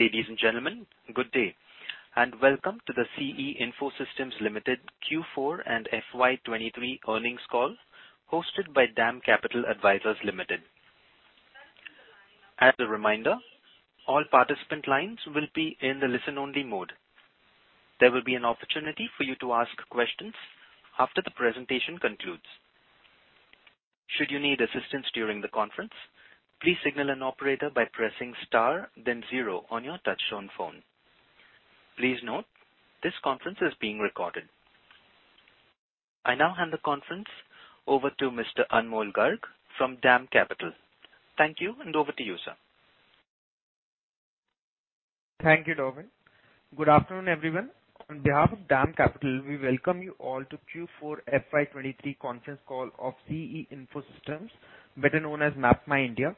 Ladies and gentlemen, good day, and welcome to the C.E. Info Systems Limited Q4 and FY 2023 earnings call hosted by DAM Capital Advisors Limited. As a reminder, all participant lines will be in the listen-only mode. There will be an opportunity for you to ask questions after the presentation concludes. Should you need assistance during the conference, please signal an operator by pressing star then zero on your touchtone phone. Please note, this conference is being recorded. I now hand the conference over to Mr. Anmol Garg from DAM Capital. Thank you. Over to you, sir. Thank you, Darpin. Good afternoon, everyone. On behalf of DAM Capital, we welcome you all to Q4 FY 2023 conference call of C.E. Info Systems, better known as MapmyIndia.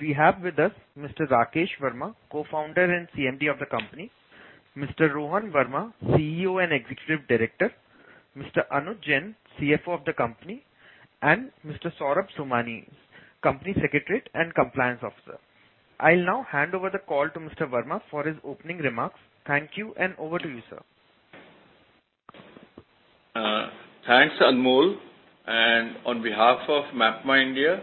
We have with us Mr. Rakesh Verma, Co-Founder and CMD of the company, Mr. Rohan Verma, CEO and Executive Director, Mr. Anuj Jain, CFO of the company, and Mr. Saurabh Somani, Company Secretary and Compliance Officer. I'll now hand over the call to Mr. Verma for his opening remarks. Thank you, and over to you, sir. Thanks, Anmol, on behalf of MapmyIndia,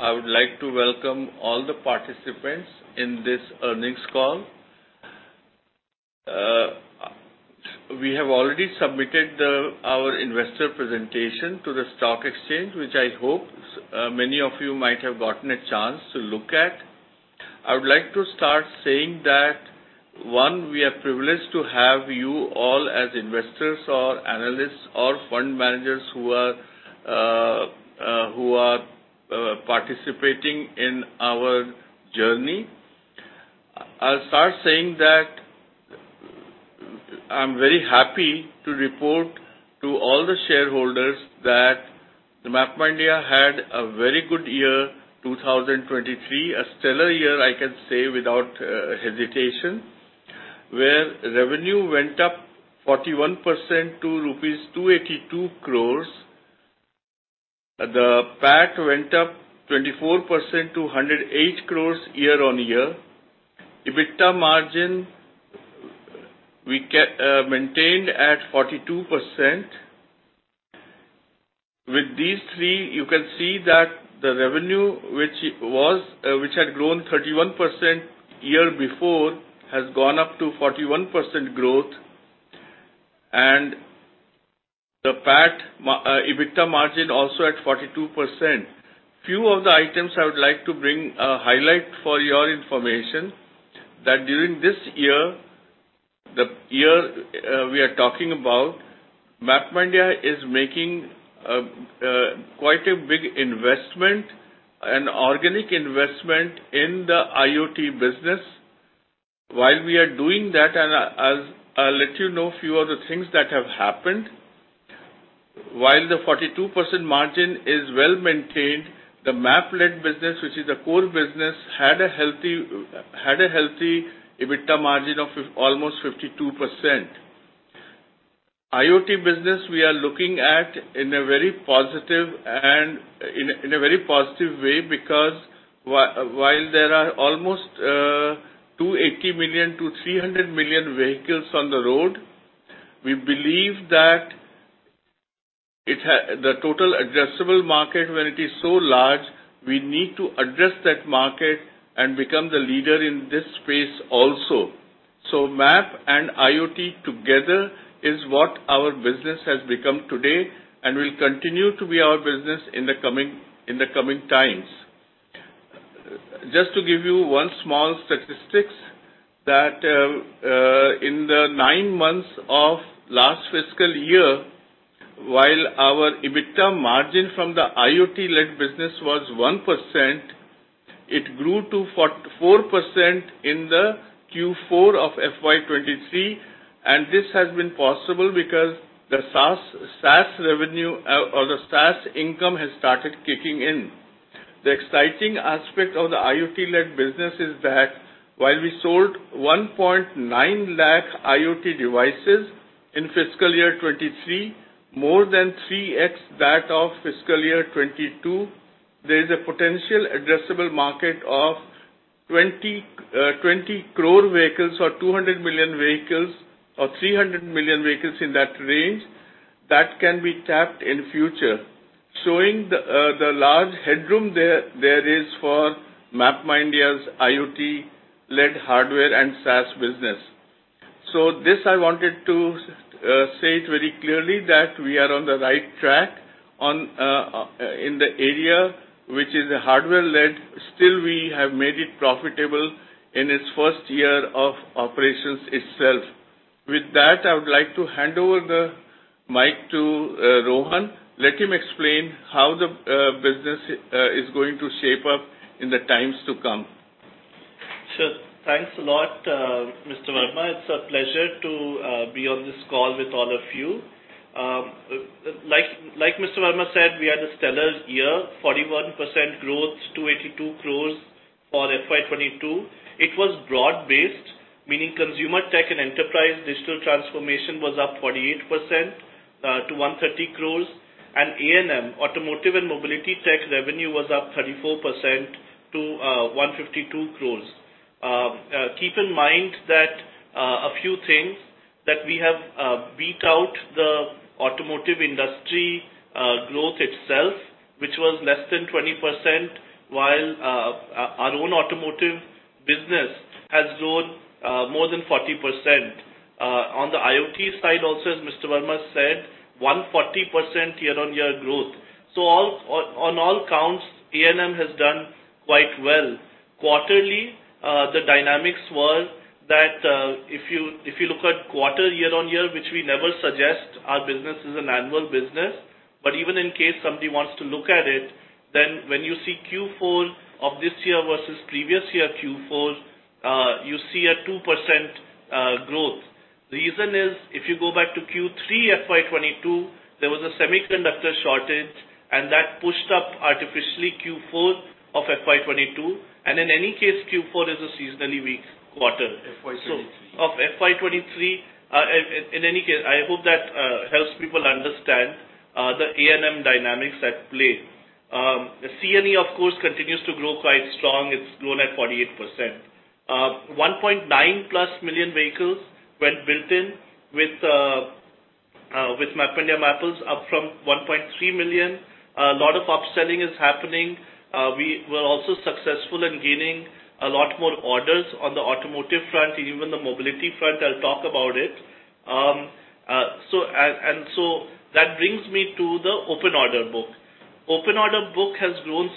I would like to welcome all the participants in this earnings call. We have already submitted the, our investor presentation to the stock exchange, which I hope many of you might have gotten a chance to look at. I would like to start saying that one, we are privileged to have you all as investors or analysts or fund managers who are participating in our journey. I'll start saying that I'm very happy to report to all the shareholders that MapmyIndia had a very good year, 2023, a stellar year I can say without hesitation, where revenue went up 41% to rupees 282 crores. The PAT went up 24% to 108 crores year-over-year. EBITDA margin we maintained at 42%. With these three you can see that the revenue which was, which had grown 31% year before has gone up to 41% growth and the PAT EBITDA margin also at 42%. Few of the items I would like to bring, highlight for your information that during this year, the year we are talking about, MapmyIndia is making quite a big investment, an organic investment in the IoT business. While we are doing that, and I'll let you know few of the things that have happened. While the 42% margin is well-maintained, the Map-led business which is the core business had a healthy EBITDA margin of almost 52%. IoT business we are looking at in a very positive and in a very positive way because while there are almost 280 million-300 million vehicles on the road, we believe that the total addressable market when it is so large, we need to address that market and become the leader in this space also. Map and IoT together is what our business has become today and will continue to be our business in the coming times. Just to give you one small statistics that in the nine months of last fiscal year, while our EBITDA margin from the IoT-led business was 1%, it grew to 4% in the Q4 of FY 2023, and this has been possible because the SaaS revenue or the SaaS income has started kicking in. The exciting aspect of the IoT-led business is that while we sold 1.9 lakh IoT devices in fiscal year 2023, more than 3x that of fiscal year 2022, there is a potential addressable market of 20 crore vehicles or 200 million vehicles or 300 million vehicles in that range that can be tapped in future. Showing the large headroom there is for MapmyIndia's IoT-led hardware and SaaS business. This I wanted to say it very clearly that we are on the right track on in the area which is hardware-led. Still we have made it profitable in its first year of operations itself. With that, I would like to hand over the mic to Rohan. Let him explain how the business is going to shape up in the times to come. Sure. Thanks a lot, Mr. Verma. It's a pleasure to be on this call with all of you. Like Mr. Verma said, we had a stellar year, 41% growth, 282 crores for FY 2022. It was broad-based, meaning Consumer Tech & Enterprise Digital Transformation was up 48% to 130 crores and A&M, automotive and mobility tech revenue was up 34% to 152 crores. Keep in mind that a few things that we have beat out the automotive industry growth itself, which was less than 20% while our own automotive business has grown more than 40%. On the IoT side also, as Mr. Verma said, 140% year-over-year growth. On all counts, A&M has done quite well. Quarterly, the dynamics were that, if you, if you look at quarter year-on-year, which we never suggest, our business is an annual business, but even in case somebody wants to look at it, then when you see Q4 of this year versus previous year Q4, you see a 2% growth. The reason is, if you go back to Q3 FY 2022, there was a semiconductor shortage, and that pushed up artificially Q4 of FY 2022. In any case, Q4 is a seasonally weak quarter. FY 2023. Of FY 2023. In any case, I hope that helps people understand the A&M dynamics at play. The C&E of course continues to grow quite strong. It's grown at 48%. 1.9+ million vehicles went built in with MapmyIndia Mappls up from 1.3 million. A lot of upselling is happening. We were also successful in gaining a lot more orders on the automotive front, even the mobility front. I'll talk about it. So that brings me to the open order book. Open order book has grown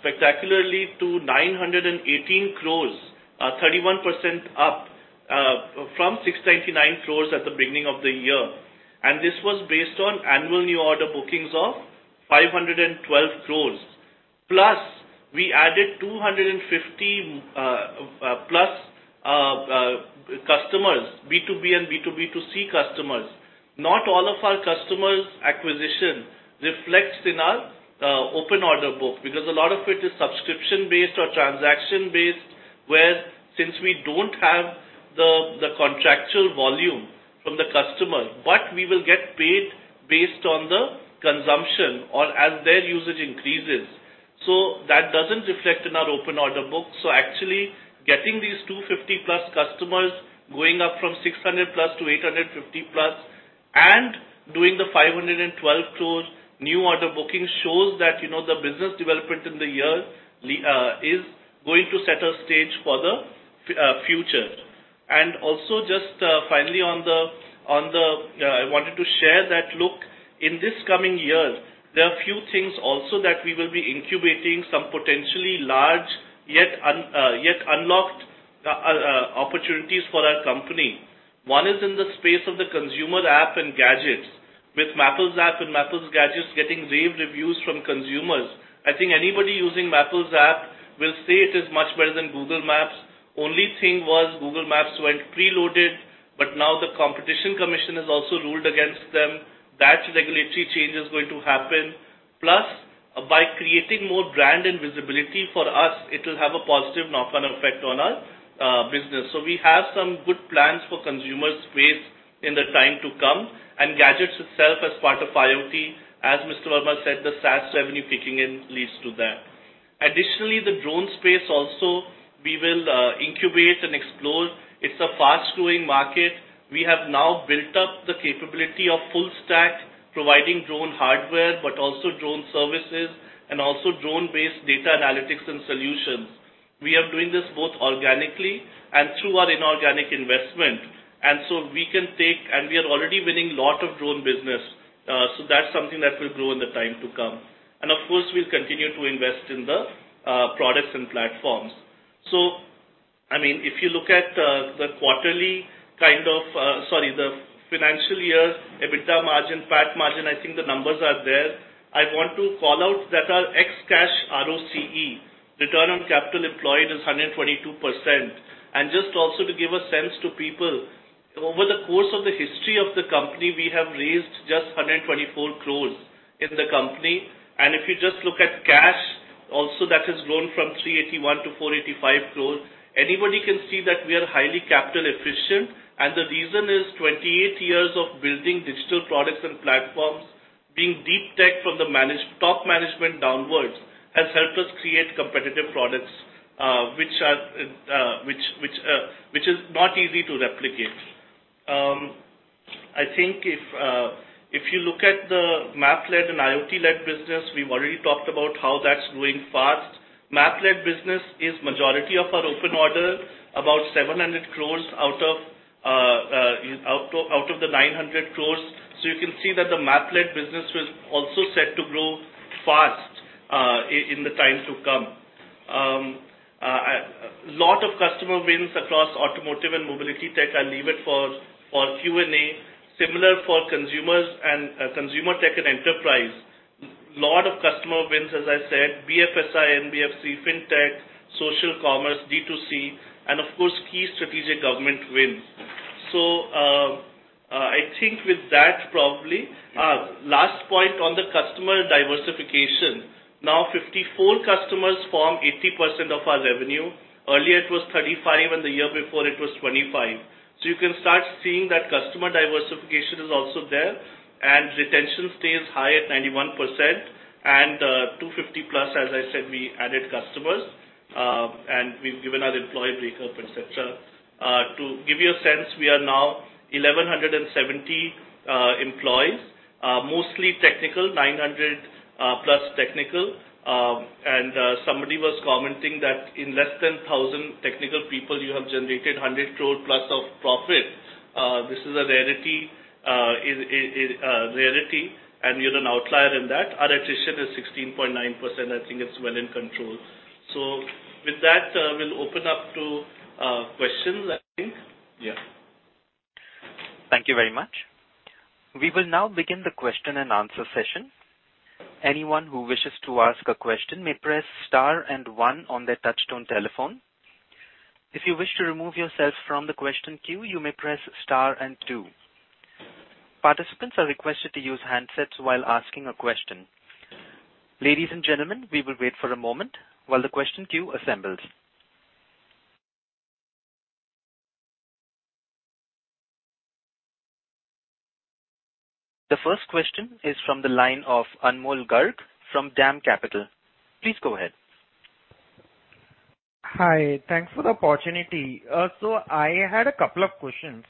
spectacularly to 918 crores, 31% up from 699 crores at the beginning of the year. This was based on annual new order bookings of 512 crores. Plus, we added 250+ customers, B2B and B2B2C customers. Not all of our customers' acquisition reflects in our open order book because a lot of it is subscription-based or transaction-based, where since we don't have the contractual volume from the customer, but we will get paid based on the consumption or as their usage increases. That doesn't reflect in our open order book. Actually getting these 250+ customers, going up from 600+ to 850+, and doing the 512 crores new order booking shows that, you know, the business development in the year is going to set a stage for the future. Also just finally on the... I wanted to share that look. In this coming year, there are few things also that we will be incubating some potentially large yet unlocked opportunities for our company. One is in the space of the consumer app and gadgets. With Mappls app and Mappls Gadgets getting rave reviews from consumers, I think anybody using Mappls app will say it is much better than Google Maps. Only thing was Google Maps went preloaded, but now the Competition Commission has also ruled against them. That regulatory change is going to happen. Plus, by creating more brand and visibility for us, it will have a positive knock-on effect on our business. We have some good plans for consumer space in the time to come, and gadgets itself as part of IoT. As Mr. Verma said, the SaaS revenue kicking in leads to that. Additionally, the drone space also we will incubate and explore. It's a fast-growing market. We have now built up the capability of full stack, providing drone hardware, but also drone services and also drone-based data analytics and solutions. We are doing this both organically and through our inorganic investment. We are already winning lot of drone business, that's something that will grow in the time to come. Of course, we'll continue to invest in the products and platforms. I mean, if you look at the financial year EBITDA margin, PAT margin, I think the numbers are there. I want to call out that our ex-cash ROCE, return on capital employed, is 122%. Just also to give a sense to people, over the course of the history of the company, we have raised just 124 crores in the company. If you just look at cash also, that has grown from 381 crores-485 crores. Anybody can see that we are highly capital efficient. The reason is 28 years of building digital products and platforms, being deep tech from the top management downwards, has helped us create competitive products, which are not easy to replicate. I think if you look at the Map-led and IoT-led business, we've already talked about how that's growing fast. Map-led business is majority of our open order, about 700 crores out of the 900 crores. You can see that the Map-led business was also set to grow fast, in the time to come. Lot of customer wins across automotive and mobility tech, I'll leave it for Q&A. Similar for consumers and consumer tech and enterprise. Lot of customer wins, as I said, BFSI, NBFC, FinTech, social commerce, D2C, and of course, key strategic government wins. I think with that probably. Last point on the customer. Now 54 customers form 80% of our revenue. Earlier it was 35, and the year before it was 25. You can start seeing that customer diversification is also there, and retention stays high at 91% and 250+, as I said, we added customers. We've given our employee breakup, et cetera. To give you a sense, we are now 1,170 employees, mostly technical, 900+ technical. Somebody was commenting that in less than 1,000 technical people you have generated 100+ crore of profit. This is a rarity, is a rarity, and we are an outlier in that. Our attrition is 16.9%. I think it's well in control. With that, we'll open up to questions, I think. Yeah. Thank you very much. We will now begin the question and answer session. Anyone who wishes to ask a question may press star and one on their touch-tone telephone. If you wish to remove yourself from the question queue, you may press star and two. Participants are requested to use handsets while asking a question. Ladies and gentlemen, we will wait for a moment while the question queue assembles. The first question is from the line of Anmol Garg from DAM Capital. Please go ahead. Hi. Thanks for the opportunity. I had a couple of questions.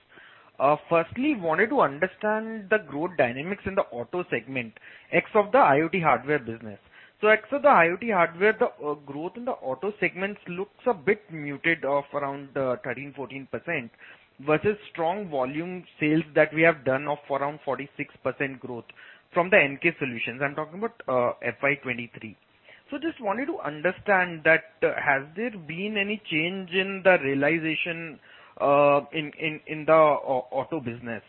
Firstly, wanted to understand the growth dynamics in the auto segment, ex of the IoT hardware business. Ex of the IoT hardware, the growth in the auto segment looks a bit muted of around 13%-14%, versus strong volume sales that we have done of around 46% growth from the N-CASe solutions. I'm talking about FY 2023. Just wanted to understand that has there been any change in the realization in the auto business?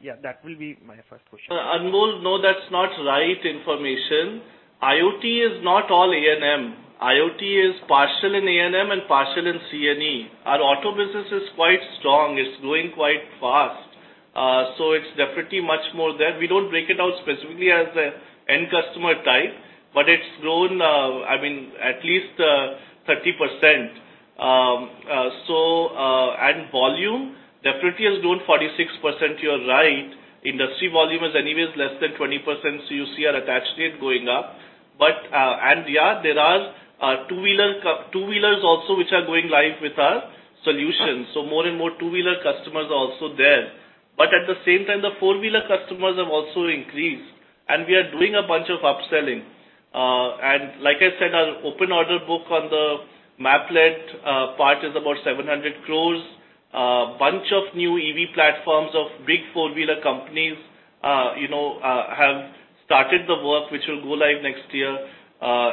Yeah, that will be my first question. Anmol, no, that's not right information. IoT is not all A&M. IoT is partial in A&M and partial in C&E. Our auto business is quite strong. It's growing quite fast. It's definitely much more there. We don't break it out specifically as an end customer type, but it's grown, I mean, at least, 30%. Volume definitely has grown 46%, you're right. Industry volume is anyways less than 20%, so you see our attach rate going up. Yeah, there are two-wheelers also which are going live with our solutions. More and more two-wheeler customers are also there. At the same time, the four-wheeler customers have also increased, and we are doing a bunch of upselling. Like I said, our open order book on the Map-led part is about 700 crores. Bunch of new EV platforms of big four-wheeler companies, you know, have started the work which will go live next year.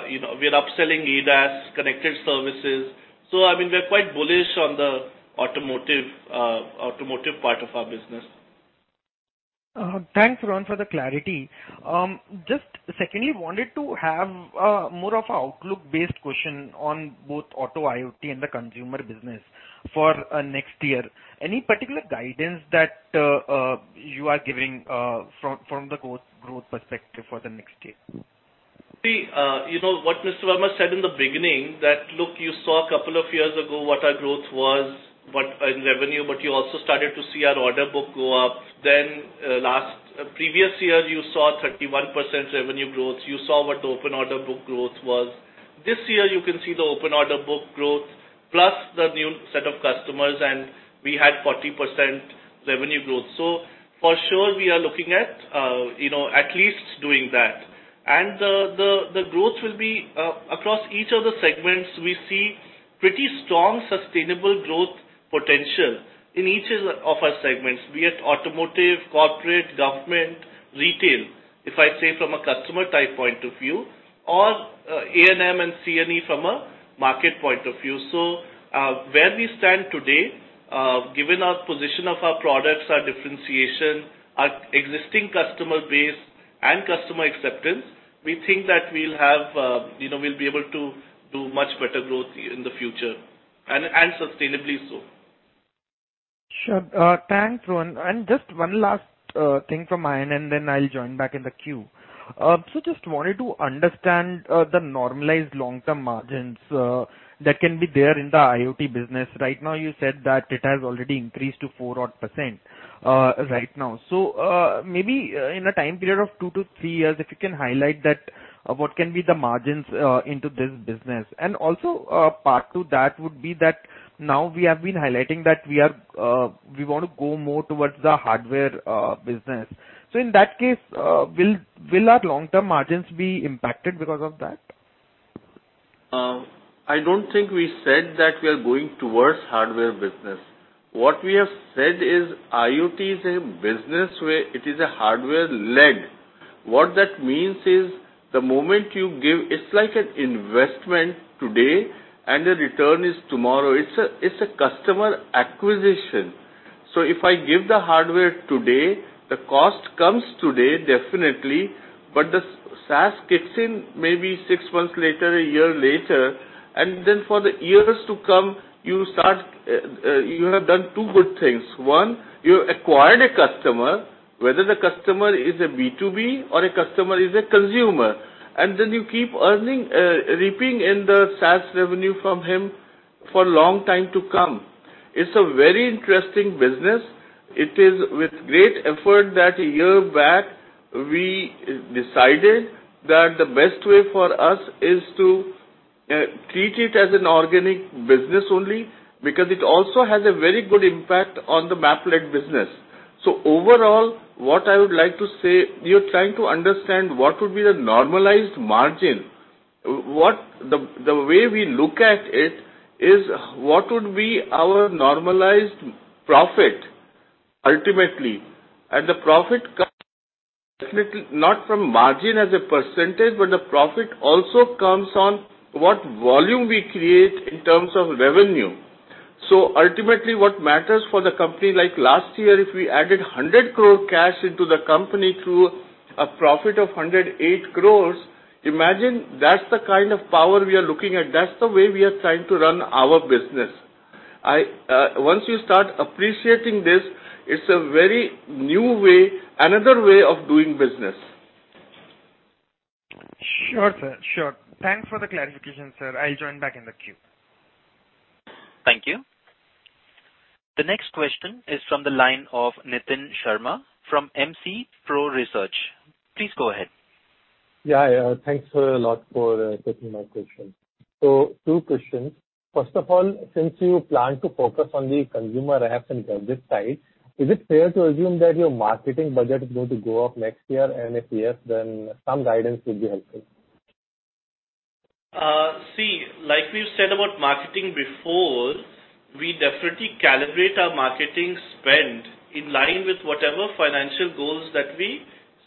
You know, we are upselling ADAS, connected services. I mean, we are quite bullish on the automotive part of our business. Thanks, Rohan, for the clarity. Just secondly, wanted to have more of a outlook-based question on both auto IoT and the consumer business for next year. Any particular guidance that you are giving from the growth perspective for the next year? See, you know what Mr. Verma said in the beginning that, look, you saw a couple of years ago what our growth was in revenue, you also started to see our order book go up. Previous year you saw 31% revenue growth. You saw what the open order book growth was. This year you can see the open order book growth plus the new set of customers, we had 40% revenue growth. For sure we are looking at, you know, at least doing that. The growth will be across each of the segments. We see pretty strong sustainable growth potential in each of our segments, be it automotive, corporate, government, retail, if I say from a customer type point of view or A&M and C&E from a market point of view. Where we stand today, given our position of our products, our differentiation, our existing customer base and customer acceptance, we think that we'll have, you know, we'll be able to do much better growth in the future and sustainably so. Sure. Thanks, Rohan. Just one last thing from my end, and then I'll join back in the queue. Just wanted to understand the normalized long-term margins that can be there in the IoT business. Right now you said that it has already increased to 4-odd percent right now. Maybe in a time period of two to three years, if you can highlight that, what can be the margins into this business? Also, part to that would be that now we have been highlighting that we are, we want to go more towards the hardware business. In that case, will our long-term margins be impacted because of that? I don't think we said that we are going towards hardware business. What we have said is IoT is a business where it is a hardware leg. What that means is the moment you give... It's like an investment today and the return is tomorrow. It's a, it's a customer acquisition. If I give the hardware today, the cost comes today, definitely, but the SaaS kicks in maybe six months later, a year later, and then for the years to come, you have done two good things. One, you acquired a customer, whether the customer is a B2B or a customer is a consumer, and then you keep earning, reaping in the SaaS revenue from him for a long time to come. It's a very interesting business. It is with great effort that a year back we decided that the best way for us is to treat it as an organic business only because it also has a very good impact on the Map-led business. Overall, what I would like to say, you're trying to understand what would be the normalized margin. The way we look at it is what would be our normalized profit ultimately, and the profit comes definitely not from margin as a percentage, but the profit also comes on what volume we create in terms of revenue. Ultimately, what matters for the company, like last year, if we added 100 crore cash into the company through a profit of 108 crores, imagine that's the kind of power we are looking at. That's the way we are trying to run our business. I, once you start appreciating this, it's a very new way, another way of doing business. Sure, sir. Sure. Thanks for the clarification, sir. I'll join back in the queue. Thank you. The next question is from the line of Nitin Sharma from Moneycontrol Pro Research. Please go ahead. Yeah. Thanks a lot for taking my question. Two questions. First of all, since you plan to focus on the consumer apps and gadgets side, is it fair to assume that your marketing budget is going to go up next year? If yes, some guidance would be helpful. See, like we've said about marketing before, we definitely calibrate our marketing spend in line with whatever financial goals that we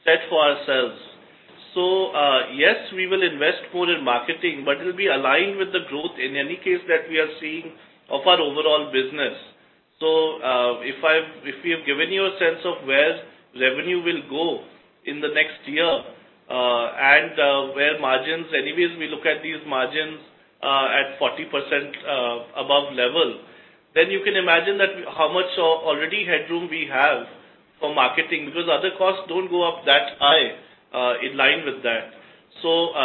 set for ourselves. Yes, we will invest more in marketing, but it'll be aligned with the growth in any case that we are seeing of our overall business. If we have given you a sense of where revenue will go in the next year, and, where margins, anyways we look at these margins at 40% above level, then you can imagine that how much of already headroom we have for marketing because other costs don't go up that high in line with that.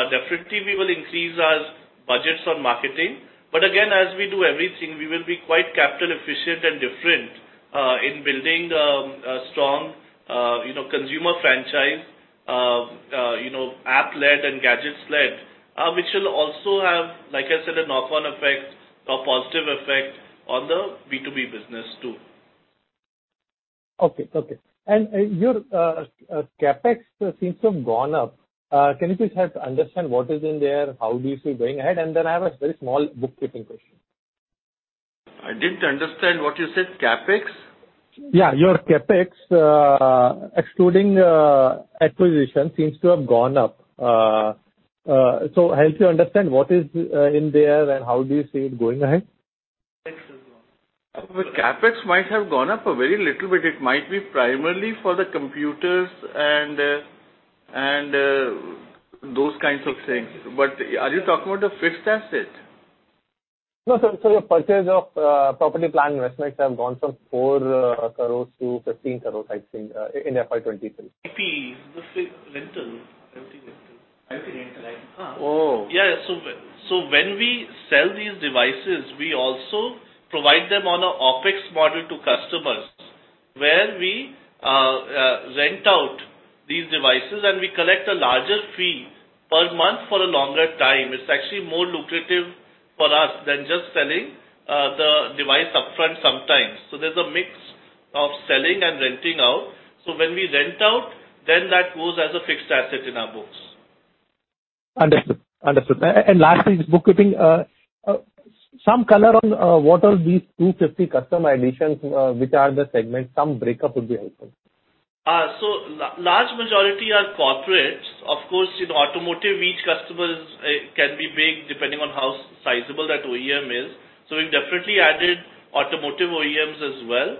Definitely we will increase our budgets on marketing. Again, as we do everything, we will be quite capital efficient and different, in building a strong, you know, consumer franchise, you know, app-led and gadgets-led, which will also have, like I said, a knock-on effect or positive effect on the B2B business too. Okay. Okay. And your CapEx seems to have gone up. Can you please help to understand what is in there? How do you see it going ahead? Then I have a very small bookkeeping question. I didn't understand what you said. CapEx? Your CapEx, excluding acquisition, seems to have gone up. Help to understand what is in there and how do you see it going ahead? The CapEx might have gone up a very little bit. It might be primarily for the computers and and those kinds of things. Are you talking about the fixed asset? No, sir. Your purchase of, property plant investments have gone from 4 crore-15 crore, I think, in FY 2023. It is the rental. Everything rental. Everything rental, right. Oh. Yeah. When we sell these devices, we also provide them on a OpEx model to customers where we rent out these devices, and we collect a larger fee per month for a longer time. It's actually more lucrative for us than just selling the device upfront sometimes. There's a mix of selling and renting out. When we rent out, then that goes as a fixed asset in our books. Understood. Understood. Lastly, just bookkeeping. Some color on what are these 250 customer additions, which are the segments, some breakup would be helpful. Large majority are corporates. Of course, in automotive, each customers can be big depending on how sizable that OEM is. We've definitely added automotive OEMs as well.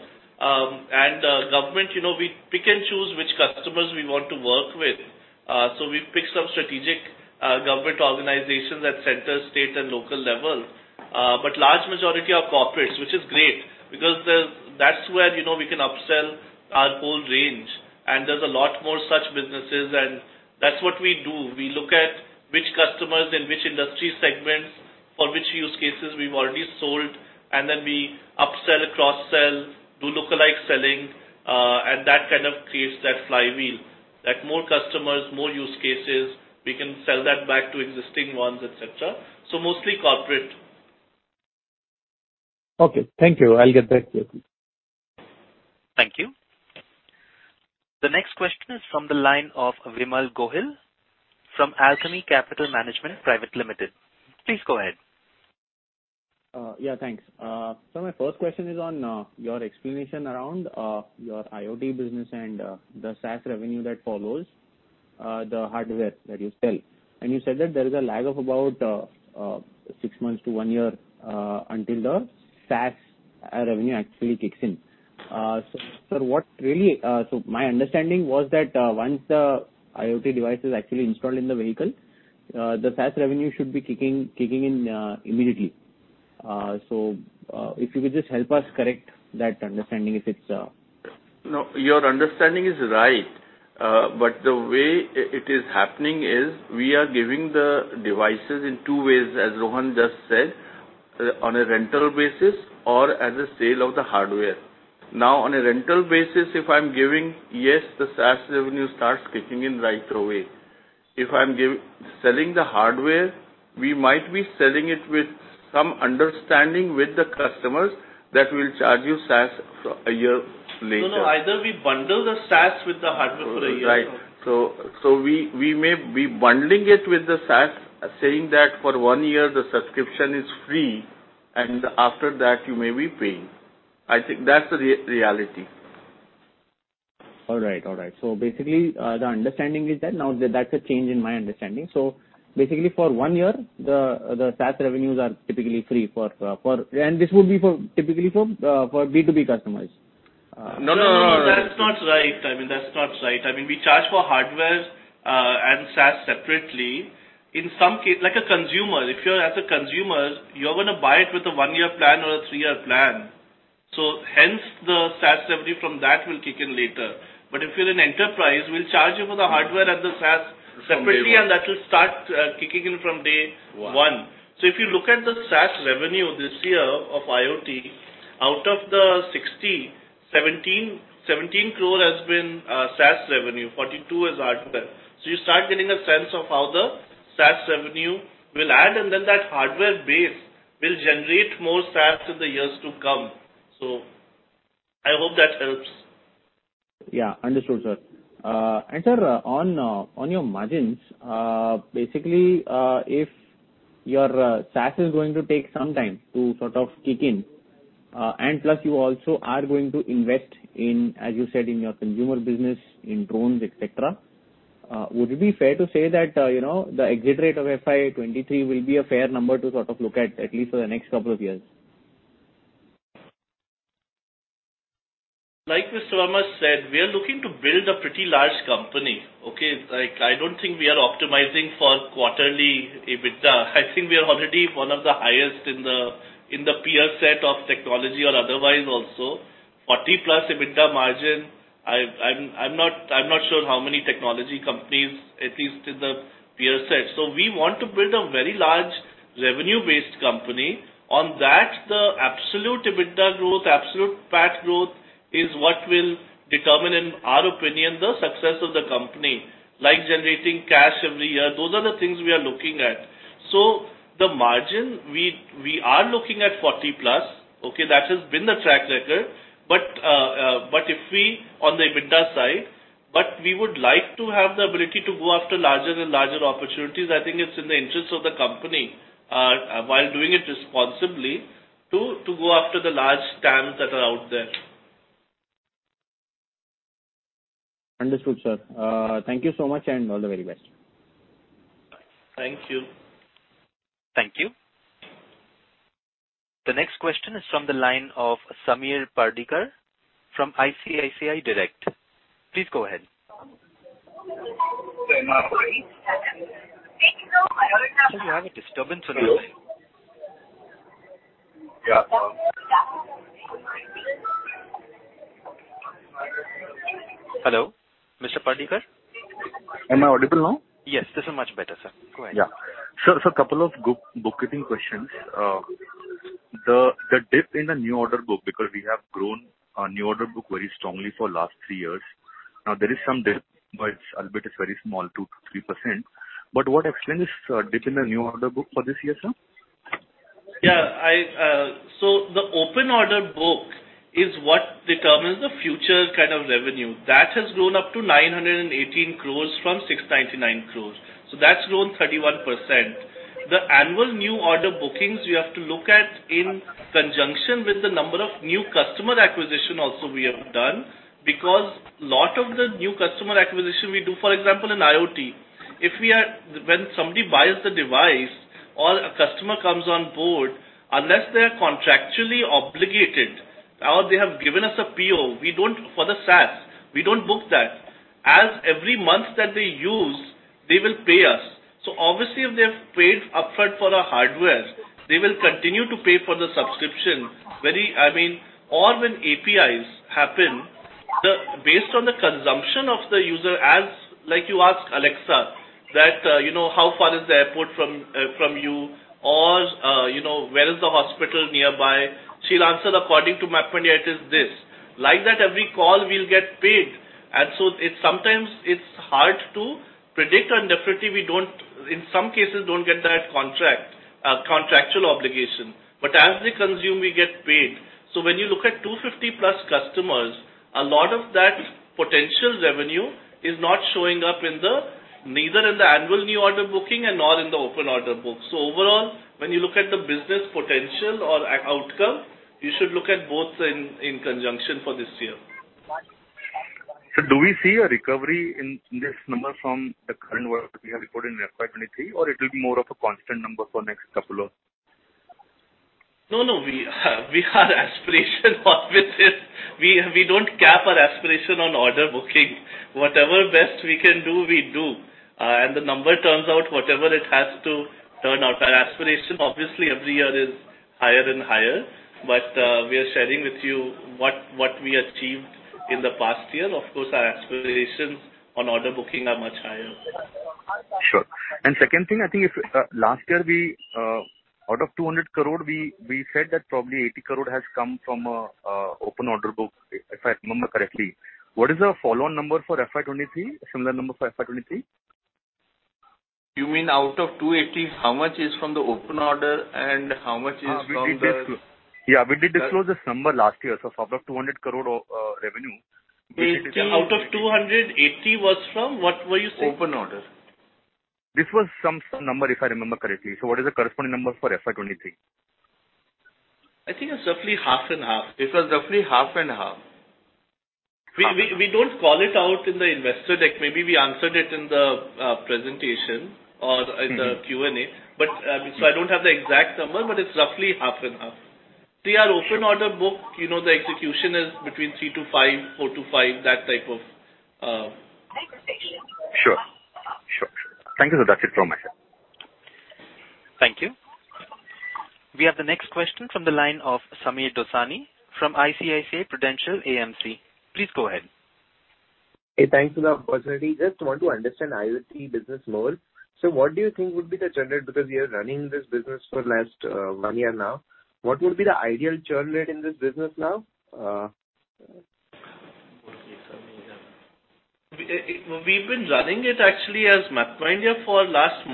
Government, you know, we pick and choose which customers we want to work with. We've picked some strategic government organizations at center, state, and local level. Large majority are corporates, which is great because that's where, you know, we can upsell our whole range, and there's a lot more such businesses, and that's what we do. We look at which customers in which industry segments for which use cases we've already sold, and then we upsell or cross-sell, do lookalike selling, and that kind of creates that flywheel. More customers, more use cases, we can sell that back to existing ones, et cetera. Mostly corporate. Okay. Thank you. I'll get back to you. Thank you. The next question is from the line of Vimal Gohil from Alchemy Capital Management Private Limited. Please go ahead. Yeah, thanks. My first question is on your explanation around your IoT business and the SaaS revenue that follows the hardware that you sell. You said that there is a lag of about six months to one year until the SaaS revenue actually kicks in. My understanding was that once the IoT device is actually installed in the vehicle, the SaaS revenue should be kicking in immediately. If you could just help us correct that understanding if it's... No, your understanding is right. The way it is happening is we are giving the devices in two ways, as Rohan just said, on a rental basis or as a sale of the hardware. On a rental basis, if I'm giving, yes, the SaaS revenue starts kicking in right away. If I'm selling the hardware, we might be selling it with some understanding with the customers that we'll charge you SaaS a year later. No, no. Either we bundle the SaaS with the hardware for a year or- Right. We may be bundling it with the SaaS saying that for one year the subscription is free, and after that you may be paying. I think that's the reality. All right. All right. Basically, the understanding is that now that's a change in my understanding. Basically for one year, the SaaS revenues are typically free for... This would be for, typically for B2B customers. No, no. That's not right. I mean, that's not right. I mean, we charge for hardware and SaaS separately. Like a consumer, if you're as a consumer, you're gonna buy it with a one-year plan or a three-year plan. Hence the SaaS revenue from that will kick in later. If you're an enterprise, we'll charge you for the hardware and the SaaS separately. From day one. That will start kicking in from day one. One. If you look at the SaaS revenue this year of IoT, 17 crore has been SaaS revenue, 42 crore is hardware. You start getting a sense of how the SaaS revenue will add, and then that hardware base will generate more SaaS in the years to come. I hope that helps. Yeah. Understood, sir. On your margins, basically, if your SaaS is going to take some time to sort of kick in, and plus you also are going to invest in, as you said, in your consumer business, in drones, et cetera, would it be fair to say that, you know, the exit rate of FY 2023 will be a fair number to sort of look at at least for the next couple of years? Like Mr. Amar said, we are looking to build a pretty large company, okay? Like, I don't think we are optimizing for quarterly EBITDA. I think we are already one of the highest in the, in the peer set of technology or otherwise also. 40+ EBITDA margin, I'm not sure how many technology companies at least in the peer set. We want to build a very large revenue-based company. On that, the absolute EBITDA growth, absolute PAT growth is what will determine, in our opinion, the success of the company, like generating cash every year. Those are the things we are looking at. The margin, we are looking at 40+, okay? That has been the track record. On the EBITDA side, we would like to have the ability to go after larger and larger opportunities. I think it's in the interest of the company, while doing it responsibly, to go after the large TAMs that are out there. Understood, sir. Thank you so much, and all the very best. Thank you. Thank you. The next question is from the line of Sameer Pardikar from ICICI Direct. Please go ahead. Am I- Sir, we have a disturbance on your line. Yeah. Hello, Mr. Pardikar? Am I audible now? Yes. This is much better, sir. Go ahead. Yeah. Sir, couple of bookkeeping questions. The dip in the new order book, because we have grown our new order book very strongly for last three years. Now there is some dip, but albeit it's very small, 2%-3%. What I've seen is a dip in the new order book for this year, sir? Yeah. I, the open order book is what determines the future kind of revenue. That has grown up to 918 crores from 699 crores. That's grown 31%. The annual new order bookings you have to look at in conjunction with the number of new customer acquisition also we have done. Lot of the new customer acquisition we do, for example, in IoT, when somebody buys the device or a customer comes on board, unless they are contractually obligated or they have given us a PO, we don't... For the SaaS, we don't book that. As every month that they use, they will pay us. Obviously, if they have paid upfront for our hardwares, they will continue to pay for the subscription very, I mean... When APIs happen, the, based on the consumption of the user, as like you ask Alexa that, you know, "How far is the airport from you?" You know, "Where is the hospital nearby?" She'll answer, "According to MapmyIndia, it is this." Like that, every call we'll get paid. It's sometimes it's hard to predict, and definitely we don't, in some cases, don't get that contract, contractual obligation. As they consume, we get paid. When you look at 250+ customers, a lot of that potential revenue is not showing up in the, neither in the annual new order booking and nor in the open order book. Overall, when you look at the business potential or outcome, you should look at both in conjunction for this year. Do we see a recovery in this number from the current work we have reported in FY 2023, or it will be more of a constant number for next two years? No, no. We had aspiration obviously. We don't cap our aspiration on order booking. Whatever best we can do, we do. The number turns out whatever it has to turn out. Our aspiration obviously every year is higher and higher. We are sharing with you what we achieved in the past year. Of course, our aspirations on order booking are much higher. Sure. Second thing, I think if, last year we, out of 200 crore, we said that probably 80 crore has come from open order book, if I remember correctly. What is the follow-on number for FY 2023, similar number for FY 2023? You mean out of 280, how much is from the open order and how much is from the? Yeah, we did disclose this number last year. out of 200 crore. Out of 200, 80 was from... What were you saying? Open order. This was some number, if I remember correctly. What is the corresponding number for FY 2023? I think it's roughly half and half. It was roughly half and half. We don't call it out in the investor deck. Maybe we answered it in the presentation or in the Q&A. So I don't have the exact number, but it's roughly half and half. Our open order book, you know, the execution is between three to five, four to five, that type of execution. Sure. Sure. Sure. Thank you, sir. That's it from my side. Thank you. We have the next question from the line of Sameer Dosani from ICICI Prudential AMC. Please go ahead. Hey, thanks for the opportunity. Just want to understand IoT business more. What do you think would be the churn rate? Because we are running this business for last one year now. What would be the ideal churn rate in this business now? We've been running it actually as MapmyIndia for last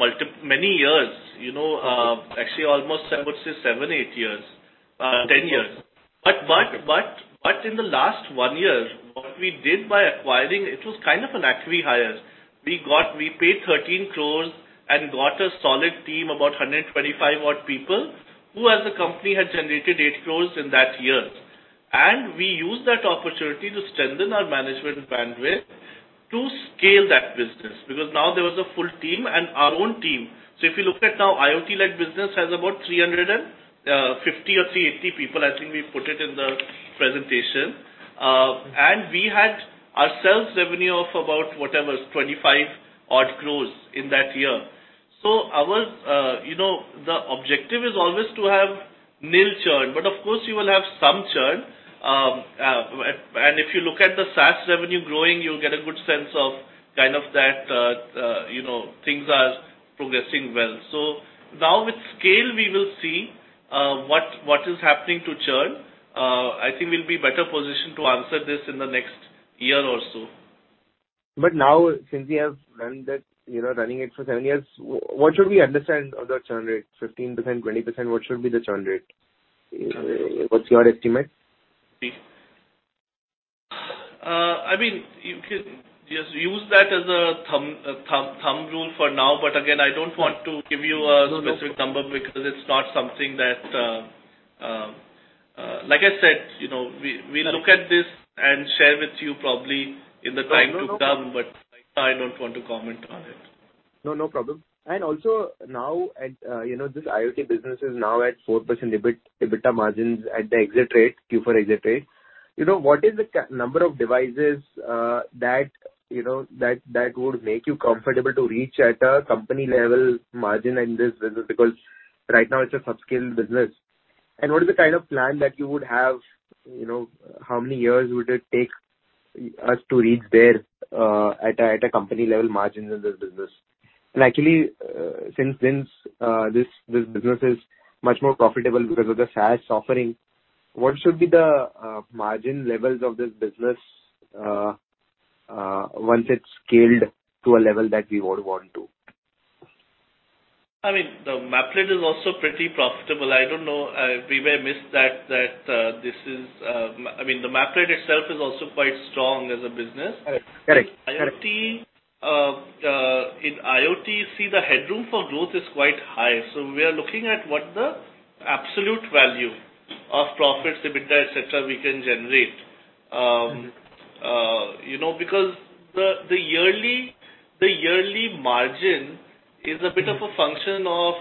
many years, you know, actually almost I would say seven, eight years, 10 years. in the last one year, what we did by acquiring, it was kind of an actually hire. We paid 13 crores and got a solid team, about 125 odd people, who as a company had generated 8 crores in that year. We used that opportunity to strengthen our management bandwidth to scale that business, because now there was a full team and our own team. If you look at now, IoT-led business has about 350 or 380 people, I think we put it in the presentation. We had our sales revenue of about whatever, 25 odd crores in that year. Our, you know, the objective is always to have nil churn, but of course you will have some churn. If you look at the SaaS revenue growing, you'll get a good sense of kind of that, you know, things are progressing well. Now with scale we will see what is happening to churn. I think we'll be better positioned to answer this in the next year or so. Now since we have done that, you know, running it for seven years, what should we understand of that churn rate? 15%, 20%, what should be the churn rate? What's your estimate? I mean, you can just use that as a thumb rule for now. Again, I don't want to give you a specific number because it's not something that. Like I said, you know, we look at this and share with you probably in the time to come, but I don't want to comment on it. No, no problem. Also now at, you know, this IoT business is now at 4% EBIT, EBITDA margins at the exit rate, Q4 exit rate. You know, what is the number of devices that, you know, that would make you comfortable to reach at a company level margin in this business? Because right now it's a subscale business. What is the kind of plan that you would have, you know, how many years would it take us to reach there at a company level margin in this business? Actually, since this business is much more profitable because of the SaaS offering, what should be the margin levels of this business once it's scaled to a level that we would want to? I mean, the Map-led is also pretty profitable. I don't know, if we may miss that, this is. I mean, the Map-led itself is also quite strong as a business. Correct. Correct. IoT, in IoT, you see the headroom for growth is quite high. We are looking at what the absolute value of profits, EBITDA, et cetera, we can generate. You know, because the yearly margin is a bit of a function of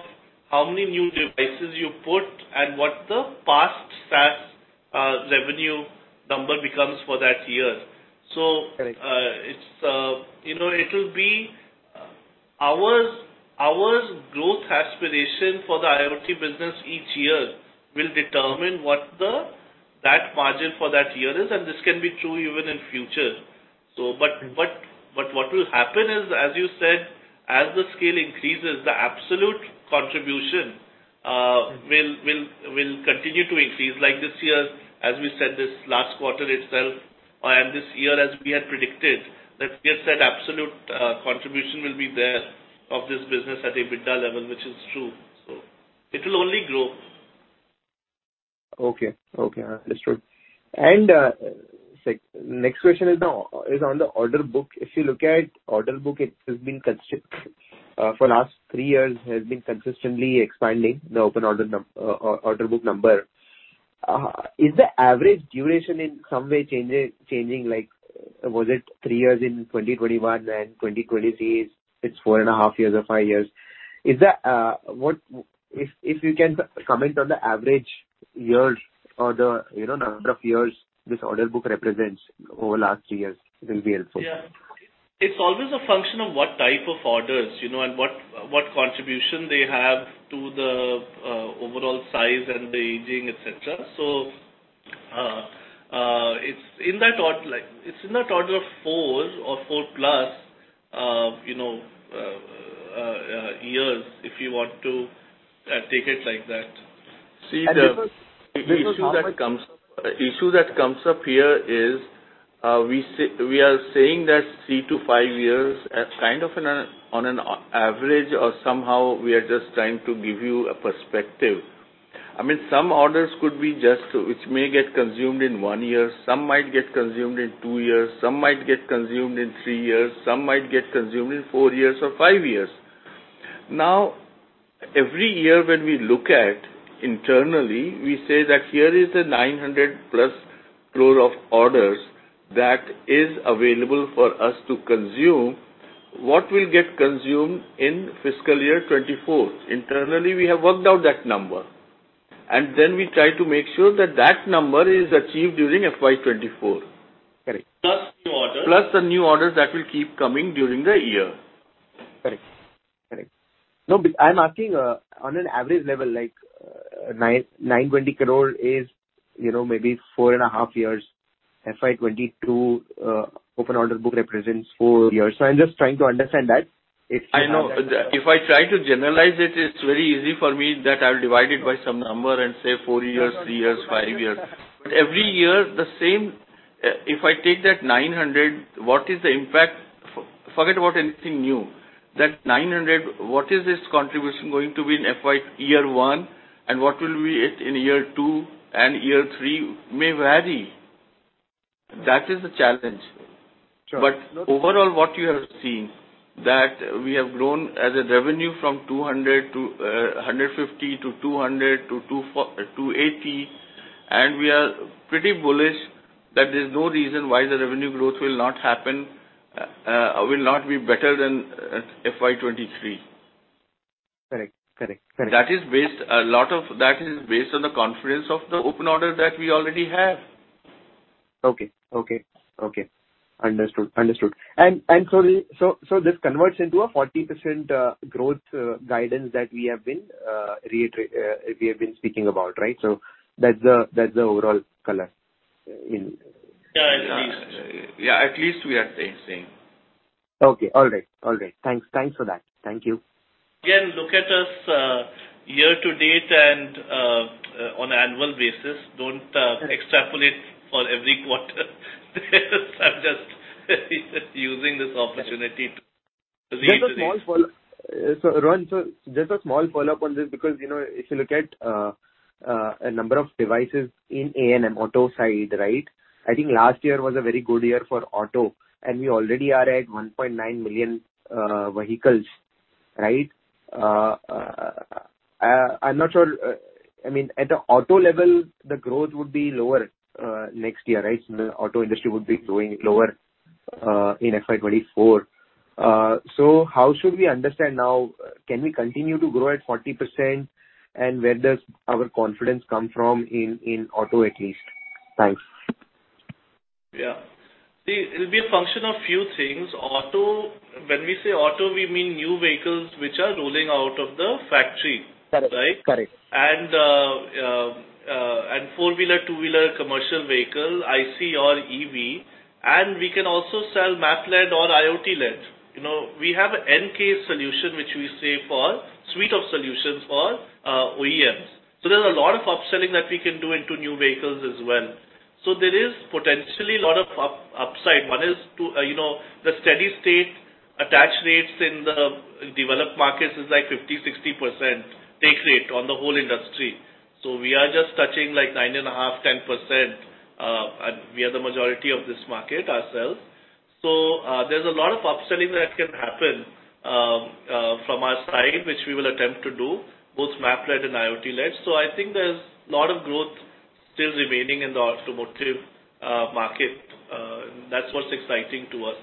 how many new devices you put and what the past SaaS revenue number becomes for that year. Correct. It's, you know, it'll be our growth aspiration for the IoT business each year will determine what that margin for that year is, and this can be true even in future. But what will happen is, as you said, as the scale increases, the absolute contribution will continue to increase. Like this year, as we said, this last quarter itself and this year as we had predicted, that we have said absolute contribution will be there of this business at EBITDA level, which is true. It will only grow. Okay. Okay. That's true. next question is now, is on the order book. If you look at order book, it has been for last three years has been consistently expanding the open order order book number. Is the average duration in some way changing, like, was it three years in 2021, and 2023 it's four and a half years or five years? Is that. If you can comment on the average years or the, you know, number of years this order book represents over the last three years will be helpful. Yeah. It's always a function of what type of orders, you know, and what contribution they have to the overall size and the aging, et cetera. It's in that order, like, it's in that order of four or four plus, you know, years if you want to take it like that. And because- See, the issue that comes up here is, we are saying that three to five years as kind of on an average or somehow we are just trying to give you a perspective. I mean, some orders could be just which may get consumed in one year, some might get consumed in two years, some might get consumed in three years, some might get consumed in four years or five years. Now, every year when we look at internally, we say that here is a 900+ crore of orders that is available for us to consume. What will get consumed in fiscal year 2024? Internally, we have worked out that number, and then we try to make sure that that number is achieved during FY 2024. Correct. New orders. The new orders that will keep coming during the year. Correct. Correct. No, I'm asking, on an average level, like 920 crore is, you know, maybe four and a half years. FY 2022 open order book represents four years. I'm just trying to understand that. I know. If I try to generalize it's very easy for me that I'll divide it by some number and say four years, three years, five years. Every year the same... If I take that 900, what is the impact? Forget about anything new. That 900, what is this contribution going to be in FY year one and what will be it in year two and year three may vary. That is the challenge. Sure. Overall, what you have seen, that we have grown as a revenue from 200 crore, 150 crore-200 crore-INR 280 crore, and we are pretty bullish that there's no reason why the revenue growth will not happen, will not be better than FY 2023. Correct. Correct. Correct. A lot of that is based on the confidence of the open order that we already have. Okay. Okay. Okay. Understood. Understood. This converts into a 40% growth guidance that we have been speaking about, right? That's the overall color in... Yeah, at least. Yeah, at least we are saying same. Okay. All right. All right. Thanks. Thanks for that. Thank you. Again, look at us, year to date and on an annual basis. Don't extrapolate for every quarter. I'm just using this opportunity to reiterate. Rohan, so just a small follow-up on this, because, you know, if you look at number of devices in A&M auto side, right? I think last year was a very good year for auto, and we already are at 1.9 million vehicles, right? I'm not sure, I mean, at the auto level, the growth would be lower next year, right? The auto industry would be growing lower in FY 2024. How should we understand now, can we continue to grow at 40%? And where does our confidence come from in auto at least? Thanks. Yeah. See, it'll be a function of few things. Auto, when we say auto, we mean new vehicles which are rolling out of the factory. Correct. Right? Correct. Four-wheeler, two-wheeler commercial vehicle, IC or EV, and we can also sell Map-led or IoT-led. You know, we have an N-CASe solution which we save for suite of solutions for OEMs. There's a lot of upselling that we can do into new vehicles as well. There is potentially a lot of upside. One is to, you know, the steady-state attach rates in the developed markets is like 50%, 60% take rate on the whole industry. We are just touching like 9.5%, 10%, and we are the majority of this market ourselves. There's a lot of upselling that can happen from our side, which we will attempt to do, both Map-led and IoT-led. I think there's a lot of growth still remaining in the automotive market. That's what's exciting to us.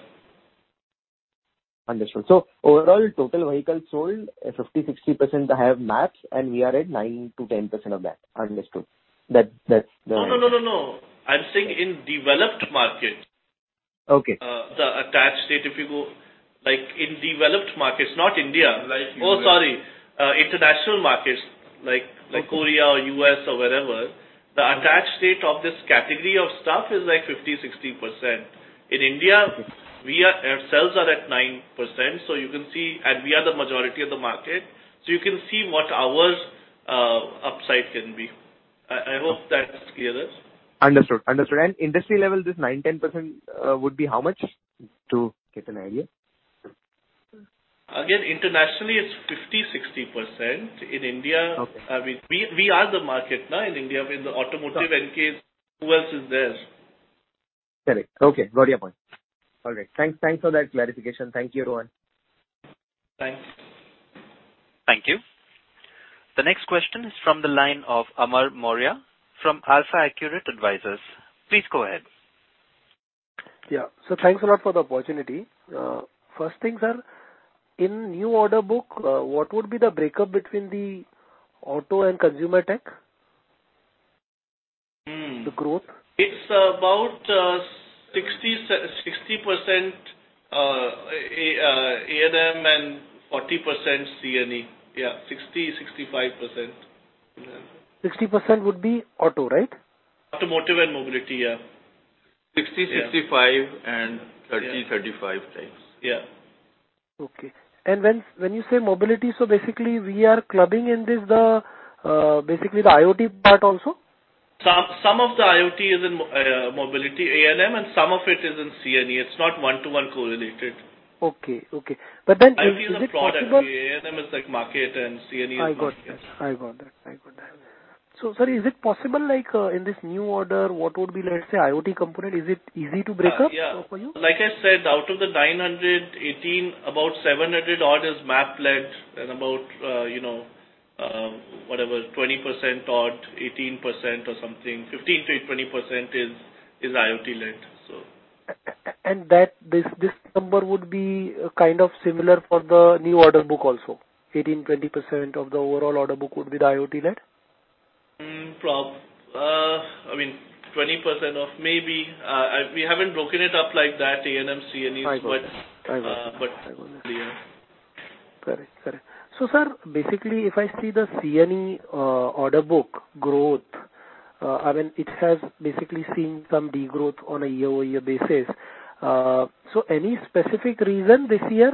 Understood. Overall, total vehicles sold, 50%, 60% have maps, and we are at 9%-10% of that. Understood. That's. No, no. I'm saying in developed markets. Okay. The attach rate, if you go, like in developed markets, not India. Right. Sorry, international markets like Korea or U.S. or wherever, the attach rate of this category of stuff is like 50%-60%. In India, we ourselves are at 9%, so you can see and we are the majority of the market. You can see what our upside can be. I hope that's clearer. Understood. Understood. Industry level, this 9%, 10% would be how much? To get an idea. Again, internationally it's 50%, 60%. In India- Okay. I mean, we are the market now in India. I mean, the automotive N-CASe's, who else is there? Correct. Okay. Got your point. All right. Thanks. Thanks for that clarification. Thank you, Rohan. Thanks. Thank you. The next question is from the line of Amar Mourya from AlfAccurate Advisors. Please go ahead. Yeah. Thanks a lot for the opportunity. First thing, sir, in new order book, what would be the breakup between the auto and Consumer Tech? Mm. The growth. It's about 60% A&M and 40% C&E. Yeah, 60, 65%. Yeah. 60% would be auto, right? Automotive and mobility, yeah. 60, 65 and 30, 35 types. Yeah. Okay. When you say mobility, so basically we are clubbing in this, the, basically the IoT part also? Some of the IoT is in mobility A&M, some of it is in C&E. It's not one-to-one correlated. Okay. Okay. is it possible- A&M is like market and C&E is... I got that. Sir, is it possible, like, in this new order, what would be, let's say IoT component? Is it easy to break up for you? Yeah. Like I said, out of the 918, about 700 odd is Map-led and about, you know, whatever, 20% odd, 18% or something, 15%-20% is IoT-led. That this number would be kind of similar for the new order book also. 18%-20% of the overall order book would be the IoT-led? I mean, 20% of maybe, we haven't broken it up like that, A&M, C&E. I got it. I got it. but yeah. Correct. Correct. Sir, basically if I see the C&E order book growth, I mean, it has basically seen some degrowth on a year-over-year basis. Any specific reason this year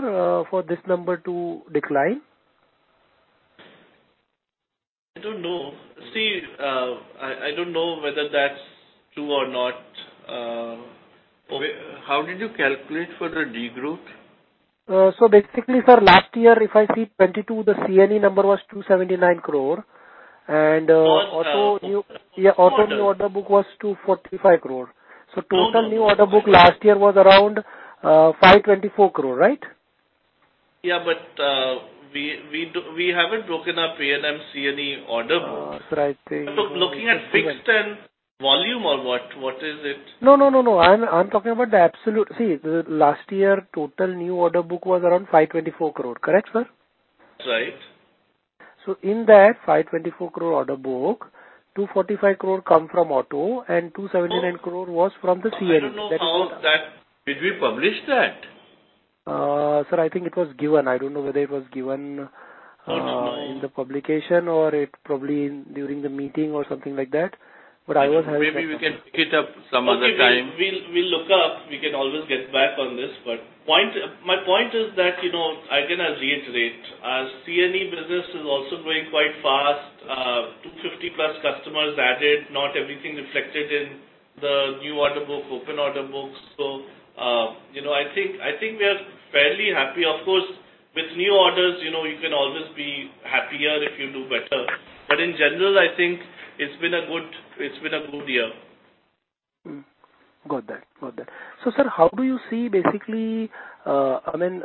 for this number to decline? I don't know. See, I don't know whether that's true or not. How did you calculate for the degrowth? Basically, sir, last year if I see 2022, the C&E number was 279 crore. Auto new order book was 245 crore. Total new order book last year was around, 524 crore, right? Yeah, we haven't broken up A&M, C&E order books. sir, I think Looking at fixed and volume or what? What is it? No, no, no. I'm talking about the absolute. See, the last year total new order book was around INR 524 crore. Correct, sir? That's right. In that INR 524 crore order book, 245 crore come from auto and 279 crore was from the C&E. I don't know how that... Did we publish that? sir, I think it was given. I don't know whether it was given in the publication or it probably during the meeting or something like that. Maybe we can pick it up some other time. Okay. We'll look up. We can always get back on this. My point is that, you know, again, I'll reiterate, our C&E business is also growing quite fast. 250+ customers added, not everything reflected in the new order book, open order book. You know, I think we are fairly happy. Of course, with new orders, you know, you can always be happier if you do better. In general, I think it's been a good year. Got that. Got that. Sir, how do you see basically, I mean,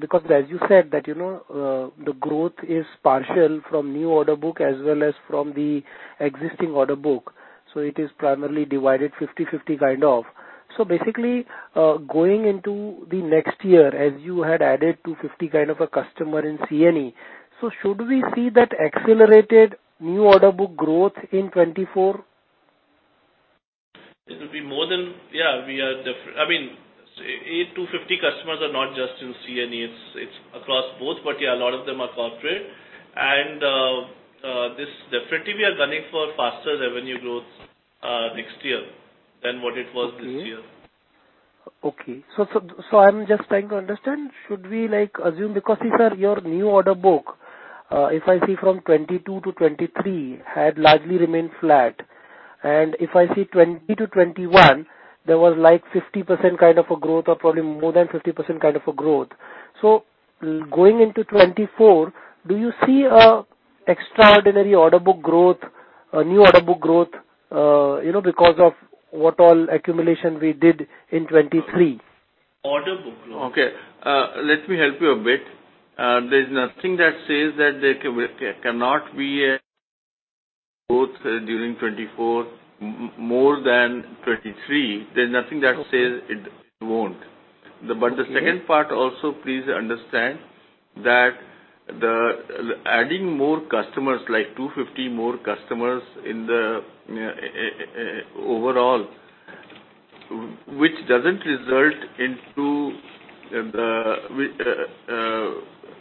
because as you said that, you know, the growth is partial from new order book as well as from the existing order book, so it is primarily divided 50/50 kind of. Basically, going into the next year, as you had added 250 kind of a customer in C&E, should we see that accelerated new order book growth in 2024? It will be more than. Yeah, I mean, 250 customers are not just in C&E, it's across both. Yeah, a lot of them are corporate. This definitely we are gunning for faster revenue growth next year than what it was this year. Okay. So I'm just trying to understand, should we like assume. Because, sir, your new order book, if I see from 2022 to 2023, had largely remained flat. If I see 2020 to 2021, there was like 50% kind of a growth or probably more than 50% kind of a growth. Going into 2024, do you see an extraordinary order book growth, new order book growth, you know, because of what all accumulation we did in 2023? Order book growth. Okay. Let me help you a bit. There's nothing that says that there cannot be a growth during 2024 more than 2023. There's nothing that says it won't. The second part also please understand that the adding more customers, like 250 more customers in the overall, which doesn't result into the.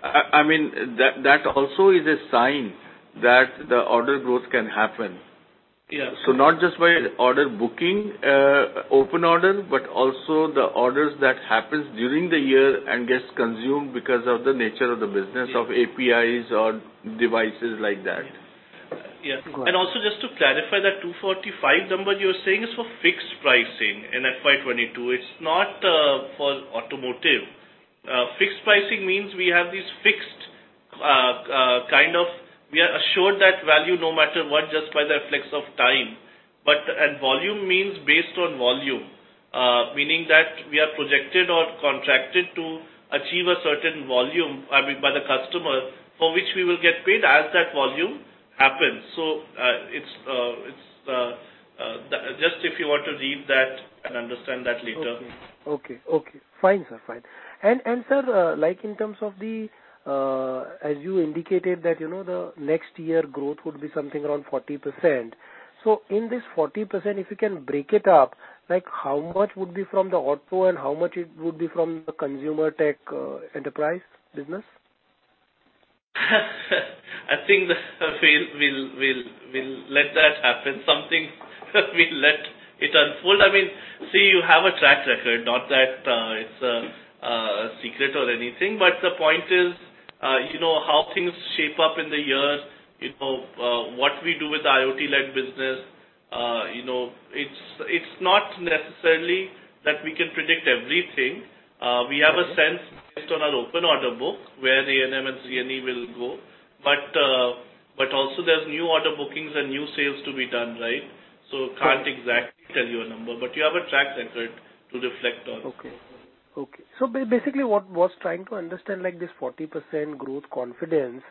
I mean, that also is a sign that the order growth can happen. Yeah. Not just by order booking, open order, but also the orders that happens during the year and gets consumed because of the nature of the business of APIs or devices like that. Yeah. Got it. Also just to clarify, that 245 number you're saying is for fixed pricing in FY 2022. It's not for automotive. Fixed pricing means we have these fixed. We are assured that value no matter what, just by the flex of time. Volume means based on volume, meaning that we are projected or contracted to achieve a certain volume, I mean, by the customer, for which we will get paid as that volume happens. It's just if you want to read that and understand that later. Okay. Okay. Okay. Fine, sir, fine. Sir, like in terms of the, as you indicated that, you know, the next year growth would be something around 40%. In this 40%, if you can break it up, like how much would be from the auto and how much it would be from the Consumer Tech, Enterprise business? I think we'll let that happen. Something we'll let it unfold. I mean, see, you have a track record, not that it's a secret or anything. The point is, you know, how things shape up in the years, you know, what we do with IoT-led business, you know, it's not necessarily that we can predict everything. We have a sense based on our open order book where the A&M and C&E will go. Also there's new order bookings and new sales to be done, right? Can't exactly tell you a number, but you have a track record to reflect on. Okay. Okay. basically, what was trying to understand, like this 40% growth confidence,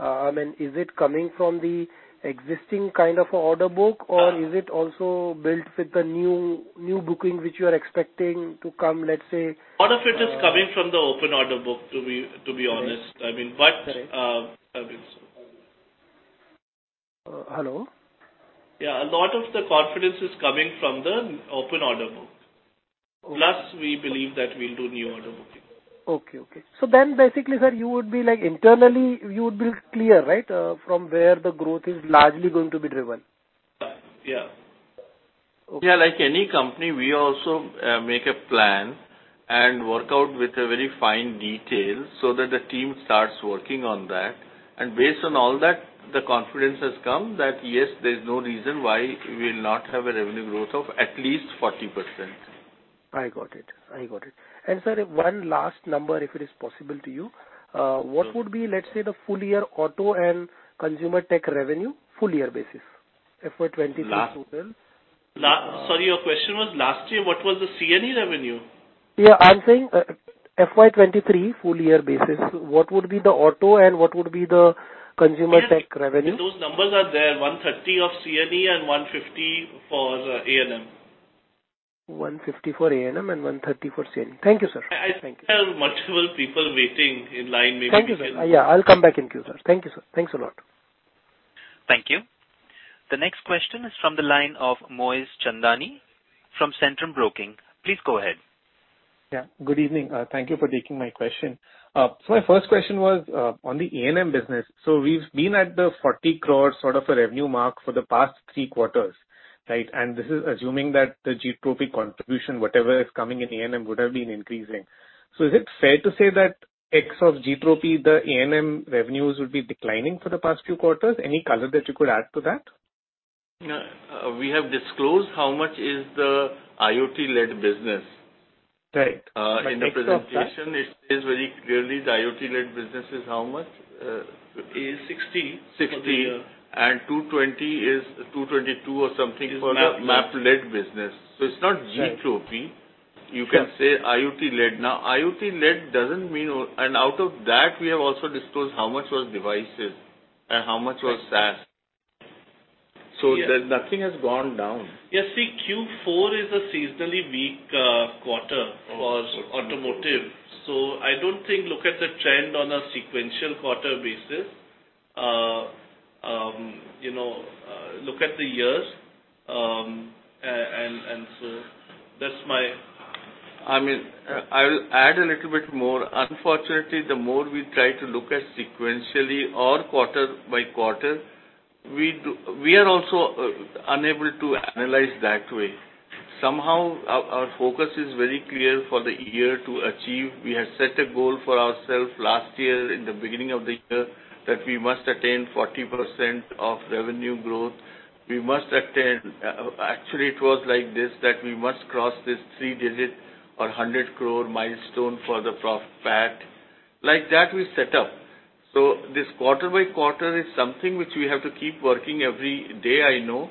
I mean, is it coming from the existing kind of order book or is it also built with the new booking which you are expecting to come, let's say? Part of it is coming from the open order book to be honest. I mean, but, I mean. Hello? Yeah, a lot of the confidence is coming from the open order book. Okay. We believe that we'll do new order booking. Okay. Okay. basically, sir, you would be like internally you would be clear, right, from where the growth is largely going to be driven? Yeah. Okay. Yeah, like any company, we also make a plan and work out with a very fine detail so that the team starts working on that. Based on all that, the confidence has come that, yes, there's no reason why we'll not have a revenue growth of at least 40%. I got it. I got it. Sir, one last number, if it is possible to you. What would be, let's say, the full year auto and Consumer Tech revenue, full year basis, FY 2023, full year? Sorry, your question was last year, what was the C&E revenue? Yeah. I'm saying, FY 2023 full year basis, what would be the auto and what would be the consumer tech revenue? Those numbers are there, 130 of C&E and 150 for A&M. 150 for A&M and 130 for C&E. Thank you, sir. I think there are multiple people waiting in line. Thank you, sir. Yeah, I'll come back in queue, sir. Thank you, sir. Thanks a lot. Thank you. The next question is from the line of Moez Chandani from Centrum Broking. Please go ahead. Yeah. Good evening. Thank you for taking my question. My first question was on the A&M business. We've been at the 40 crore sort of a revenue mark for the past three quarters, right? This is assuming that the Gtropy contribution, whatever is coming in A&M, would have been increasing. Is it fair to say that X of Gtropy, the A&M revenues would be declining for the past few quarters? Any color that you could add to that? You know, we have disclosed how much is the IoT-led business. Right. Thanks for that. In the presentation it says very clearly the IoT-led business is how much? Is 60 for the year. 60. 220 is 222 or something for the Map-led business. It's not Gtropy. Right. Sure. You can say IoT-led. Now, IoT-led doesn't mean... Out of that, we have also disclosed how much was devices and how much was SaaS. Right. The nothing has gone down. Yeah. See, Q4 is a seasonally weak, quarter for automotive, I don't think look at the trend on a sequential quarter basis. you know, look at the years. That's my- I mean, I'll add a little bit more. Unfortunately, the more we try to look at sequentially or quarter by quarter, we are also unable to analyze that way. Somehow our focus is very clear for the year to achieve. We had set a goal for ourselves last year in the beginning of the year, that we must attain 40% of revenue growth. We must attain. Actually it was like this, that we must cross this three digit or 100 crore milestone for the profit PAT. Like that we set up. This quarter by quarter is something which we have to keep working every day, I know.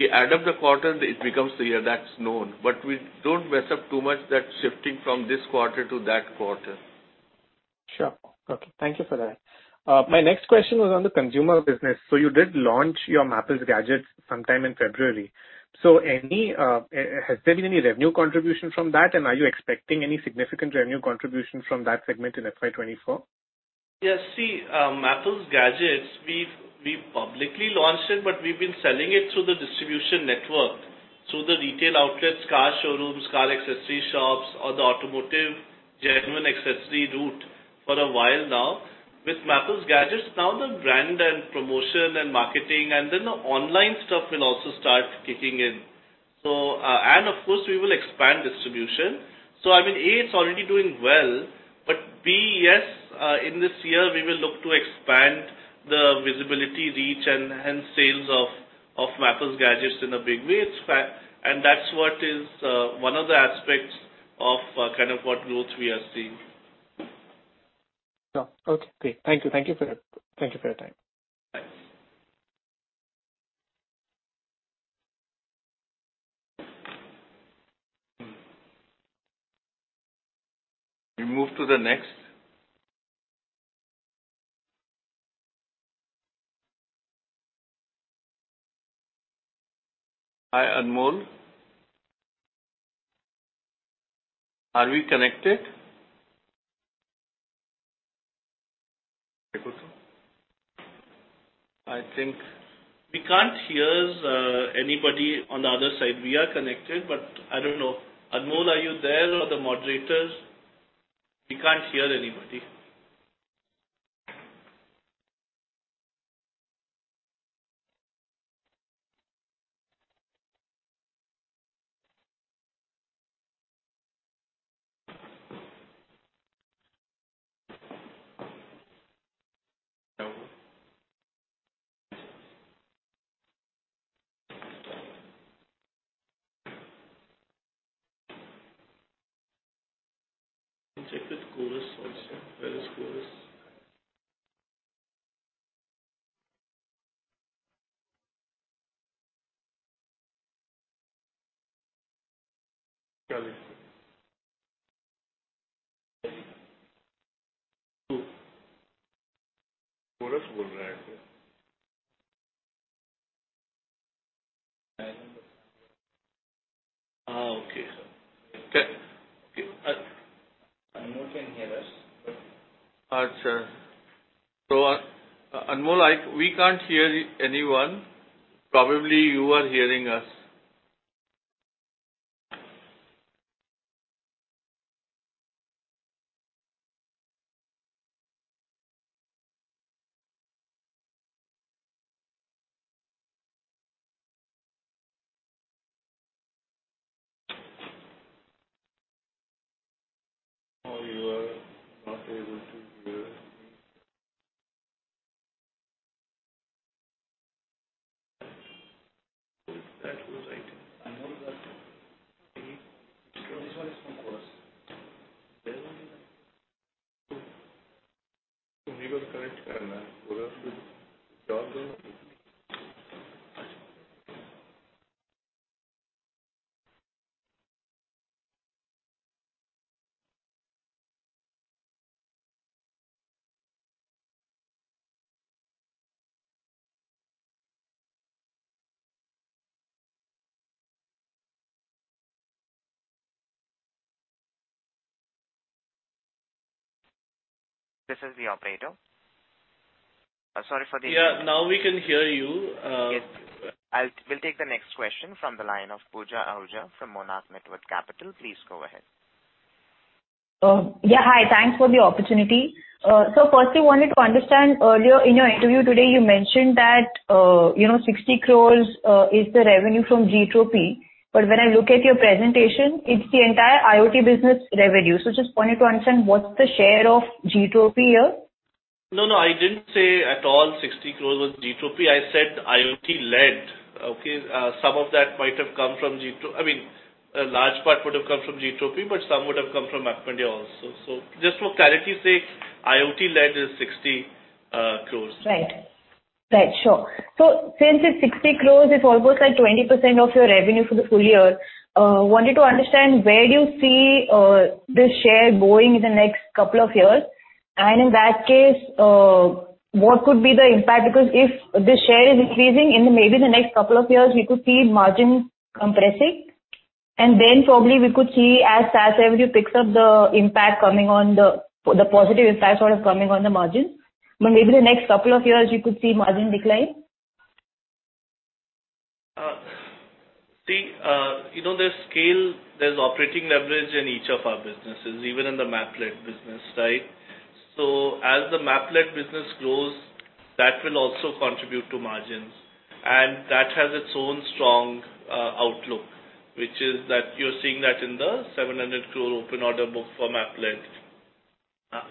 We add up the quarter, it becomes the year, that's known. We don't mess up too much that shifting from this quarter to that quarter. Sure. Okay. Thank you for that. My next question was on the consumer business. You did launch your Mappls Gadgets sometime in February. Any, has there been any revenue contribution from that and are you expecting any significant revenue contribution from that segment in FY 2024? Yeah. See, Mappls Gadgets, we've publicly launched it, but we've been selling it through the distribution network, through the retail outlets, car showrooms, car accessory shops, or the automotive genuine accessory route for a while now. With Mappls Gadgets now the brand and promotion and marketing and then the online stuff will also start kicking in. And of course we will expand distribution. I mean, A, it's already doing well, but B, yes, in this year we will look to expand the visibility, reach and sales of Mappls Gadgets in a big way. That's what is one of the aspects of kind of what growth we are seeing. Okay, great. Thank you. Thank you for your time. Thanks. We move to the next. Hi, Anmol. Are we connected? I think we can't hear anybody on the other side. We are connected, but I don't know. Anmol, are you there or the moderators? We can't hear anybody. No. This is the operator. Yeah, now we can hear you. Yes. We'll take the next question from the line of Pooja Ahuja from Monarch Networth Capital. Please go ahead. Yeah. Hi. Thanks for the opportunity. Firstly, wanted to understand earlier in your interview today, you mentioned that, you know, 60 crore, is the revenue from Gtropy. When I look at your presentation, it's the entire IoT business revenue. Just wanted to understand what's the share of Gtropy here. No, no, I didn't say at all 60 crores was Gtropy. I said IoT-led. Okay? some of that might have come from I mean, a large part would have come from Gtropy, but some would have come from MapmyIndia also. just for clarity sake, IoT-led is 60 crores. Right. Right. Sure. Since the 60 crore is almost like 20% of your revenue for the full year, wanted to understand where do you see this share going in the next couple of years? In that case, what could be the impact? If this share is increasing in maybe the next couple of years, we could see margin compressing, then probably we could see as SaaS revenue picks up the impact coming on the positive impact sort of coming on the margin. Maybe the next couple of years you could see margin decline. See, you know, there's scale, there's operating leverage in each of our businesses, even in the Map-led business, right? As the Map-led business grows, that will also contribute to margins, and that has its own strong outlook, which is that you're seeing that in the 700 crore open order book for Map-led.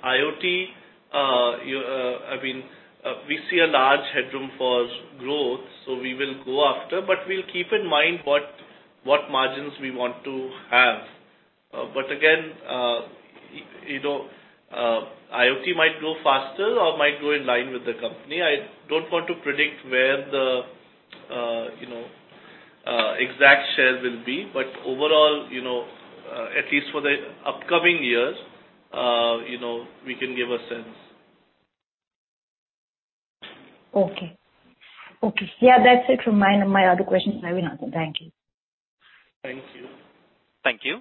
IoT, I mean, we see a large headroom for growth, so we will go after, but we'll keep in mind what margins we want to have. Again, you know, IoT might grow faster or might grow in line with the company. I don't want to predict where the, you know, exact share will be. Overall, you know, at least for the upcoming years, you know, we can give a sense. Okay. Okay. That's it from my end. My other questions I will ask them. Thank you. Thank you. Thank you.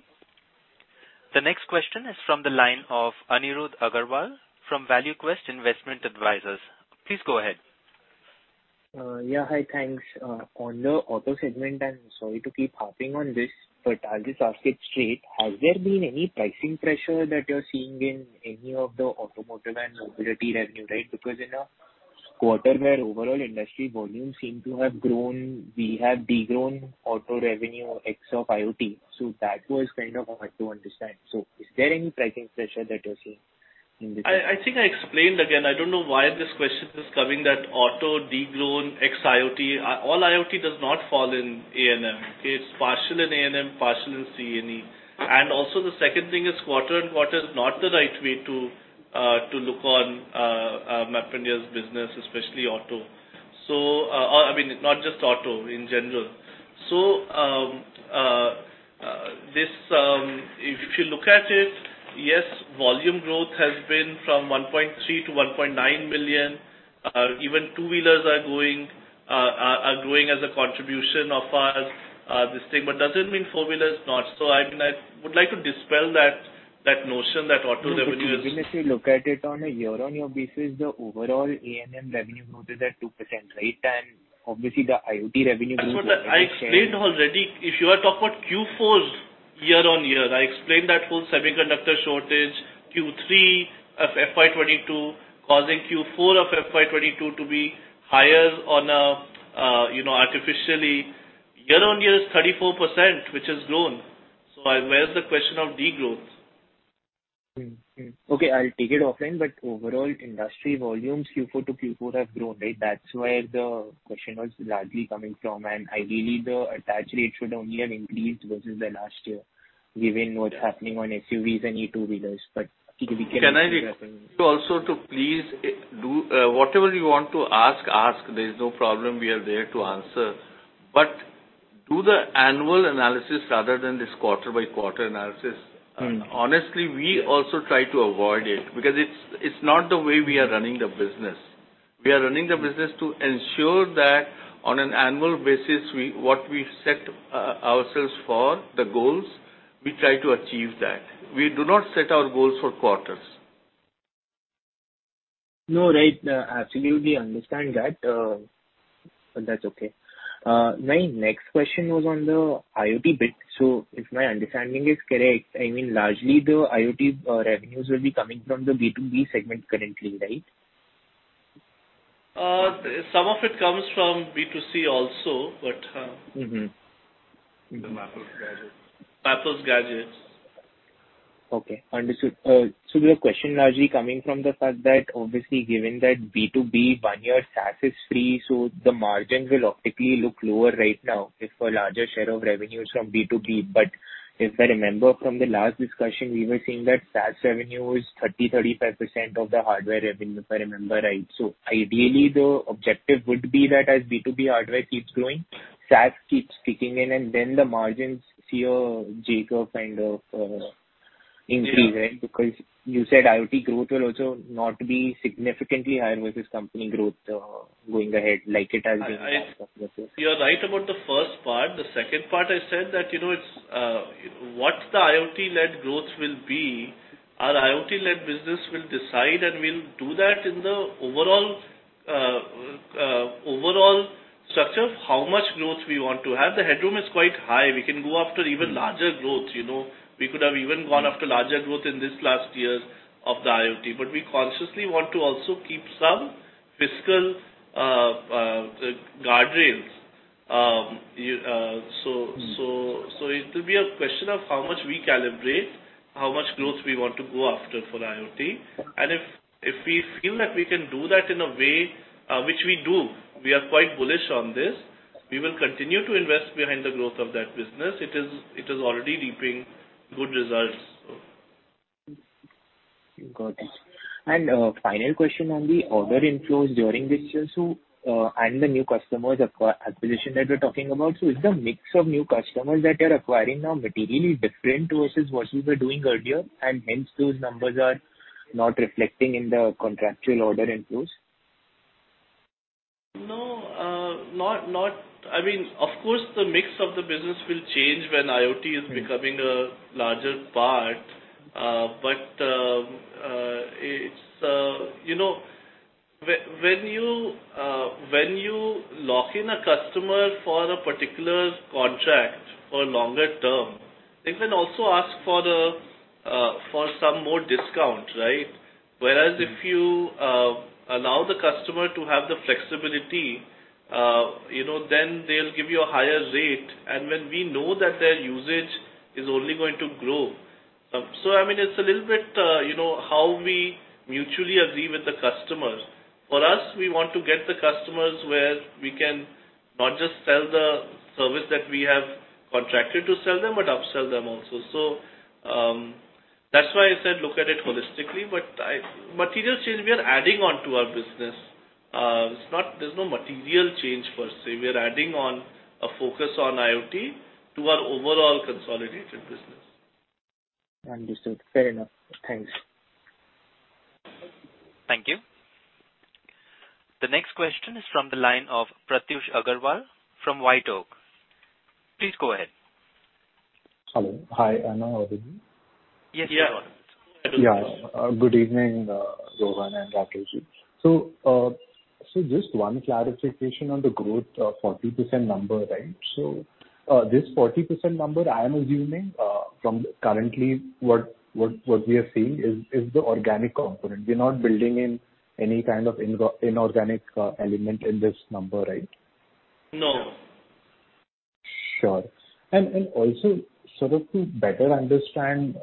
The next question is from the line of Anirudh Agarwal from ValueQuest Investment Advisors. Please go ahead. Yeah, hi. Thanks. On the auto segment, I'm sorry to keep harping on this, but I'll just ask it straight. Has there been any pricing pressure that you're seeing in any of the automotive and mobility revenue, right? Because in a quarter where overall industry volumes seem to have grown, we have de-grown auto revenue ex of IoT. That was kind of hard to understand. Is there any pricing pressure that you're seeing in this? I think I explained. I don't know why this question is coming, that auto de-grown ex IoT. All IoT does not fall in A&M. Okay? It's partial in A&M, partial C&E. The second thing is quarter and quarter is not the right way to look on MapmyIndia's business, especially auto. I mean, not just auto, in general. If you look at it, yes, volume growth has been from 1.3 million-1.9 million. Even two-wheelers are going, are growing as a contribution of our this thing, but doesn't mean four-wheelers not. I mean, I would like to dispel that notion that auto revenue is- No, if you really look at it on a year-on-year basis, the overall A&M revenue growth is at 2%, right? obviously the IoT revenue growth. That's what I explained already. If you are talking about Q4 year-on-year, I explained that whole semiconductor shortage, Q3 of FY 2022 causing Q4 of FY 2022 to be higher on a, you know, artificially. Year-on-year is 34%, which has grown. Where's the question of degrowth? Okay, I'll take it offline. Overall industry volumes Q4 to Q4 have grown, right? That's where the question was largely coming from. Ideally, the attach rate should only have increased versus the last year given what's happening on SUVs and E2 wheelers. We can Can I request you also to please whatever you want to ask. There is no problem. We are there to answer. Do the annual analysis rather than this quarter-by-quarter analysis. Mm-hmm. Honestly, we also try to avoid it because it's not the way we are running the business. We are running the business to ensure that on an annual basis, what we've set ourselves for, the goals, we try to achieve that. We do not set our goals for quarters. No, right. absolutely understand that. but that's okay. my next question was on the IoT bit. If my understanding is correct, I mean, largely the IoT revenues will be coming from the B2B segment currently, right? Some of it comes from B2C also. Mm-hmm. The Mappls Gadgets. Mappls Gadgets. Okay, understood. The question largely coming from the fact that obviously given that B2B one year SaaS is free, the margin will optically look lower right now if a larger share of revenue is from B2B. If I remember from the last discussion, we were saying that SaaS revenue is 30%-35% of the hardware revenue, if I remember right. Ideally, the objective would be that as B2B hardware keeps growing, SaaS keeps kicking in, and then the margins see a J-curve kind of increase, right? Yeah. you said IoT growth will also not be significantly higher versus company growth, going ahead. I. You're right about the first part. The second part, I said that, you know, it's what the IoT-led growth will be, our IoT-led business will decide, and we'll do that in the overall structure of how much growth we want to have. The headroom is quite high. We can go after even larger growth, you know. We could have even gone after larger growth in this last years of the IoT, but we consciously want to also keep some fiscal guardrails. Mm-hmm. It will be a question of how much we calibrate, how much growth we want to go after for IoT. If we feel that we can do that in a way, which we do, we are quite bullish on this, we will continue to invest behind the growth of that business. It is already reaping good results. Got it. final question on the order inflows during this year, and the new customers acquisition that we're talking about. Is the mix of new customers that you're acquiring now materially different versus what you were doing earlier, and hence those numbers are not reflecting in the contractual order inflows? No. I mean, of course, the mix of the business will change when IoT is becoming a larger part. You know, when you, when you lock in a customer for a particular contract for longer term, they can also ask for the, for some more discount, right? Whereas if you allow the customer to have the flexibility, you know, then they'll give you a higher rate. When we know that their usage is only going to grow. I mean, it's a little bit, you know, how we mutually agree with the customers. For us, we want to get the customers where we can not just sell the service that we have contracted to sell them, but upsell them also. That's why I said look at it holistically. Material change, we are adding on to our business. There's no material change per se. We are adding on a focus on IoT to our overall consolidated business. Understood. Fair enough. Thanks. Thank you. The next question is from the line of Pratyush Agarwal from White Oak. Please go ahead. Hello. Hi. I'm now audible? Yes, you are. Good evening, Rohan and Rakeshji. Just one clarification on the growth 40% number, right? This 40% number, I am assuming, from currently what we are seeing is the organic component. We're not building in any kind of inorganic element in this number, right? No. Sure. Also, sort of to better understand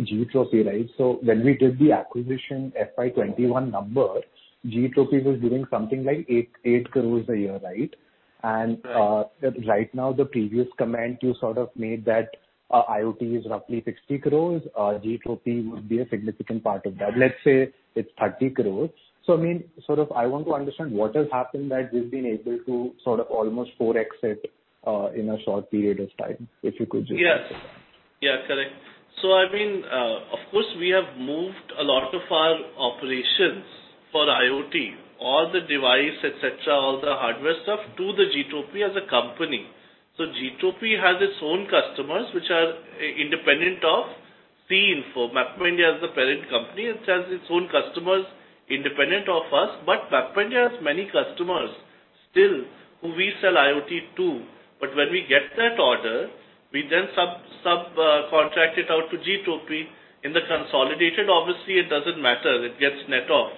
Gtropy, right? When we did the acquisition FY 2021 number, Gtropy was doing something like 8 crores a year, right? Right now the previous comment you sort of made that, IoT is roughly 60 crores. Gtropy would be a significant part of that. Let's say it's 30 crores. I mean, sort of I want to understand what has happened that we've been able to sort of almost 4x it, in a short period of time, if you could just. Yes. Yeah, correct. I mean, of course, we have moved a lot of our operations for IoT, all the device, et cetera, all the hardware stuff to the Gtropy as a company. Gtropy has its own customers which are independent of C.E. Info Systems. MapmyIndia is the parent company, which has its own customers independent of us. MapmyIndia has many customers still who we sell IoT to. When we get that order, we then subcontract it out to Gtropy. In the consolidated, obviously it doesn't matter, it gets net off.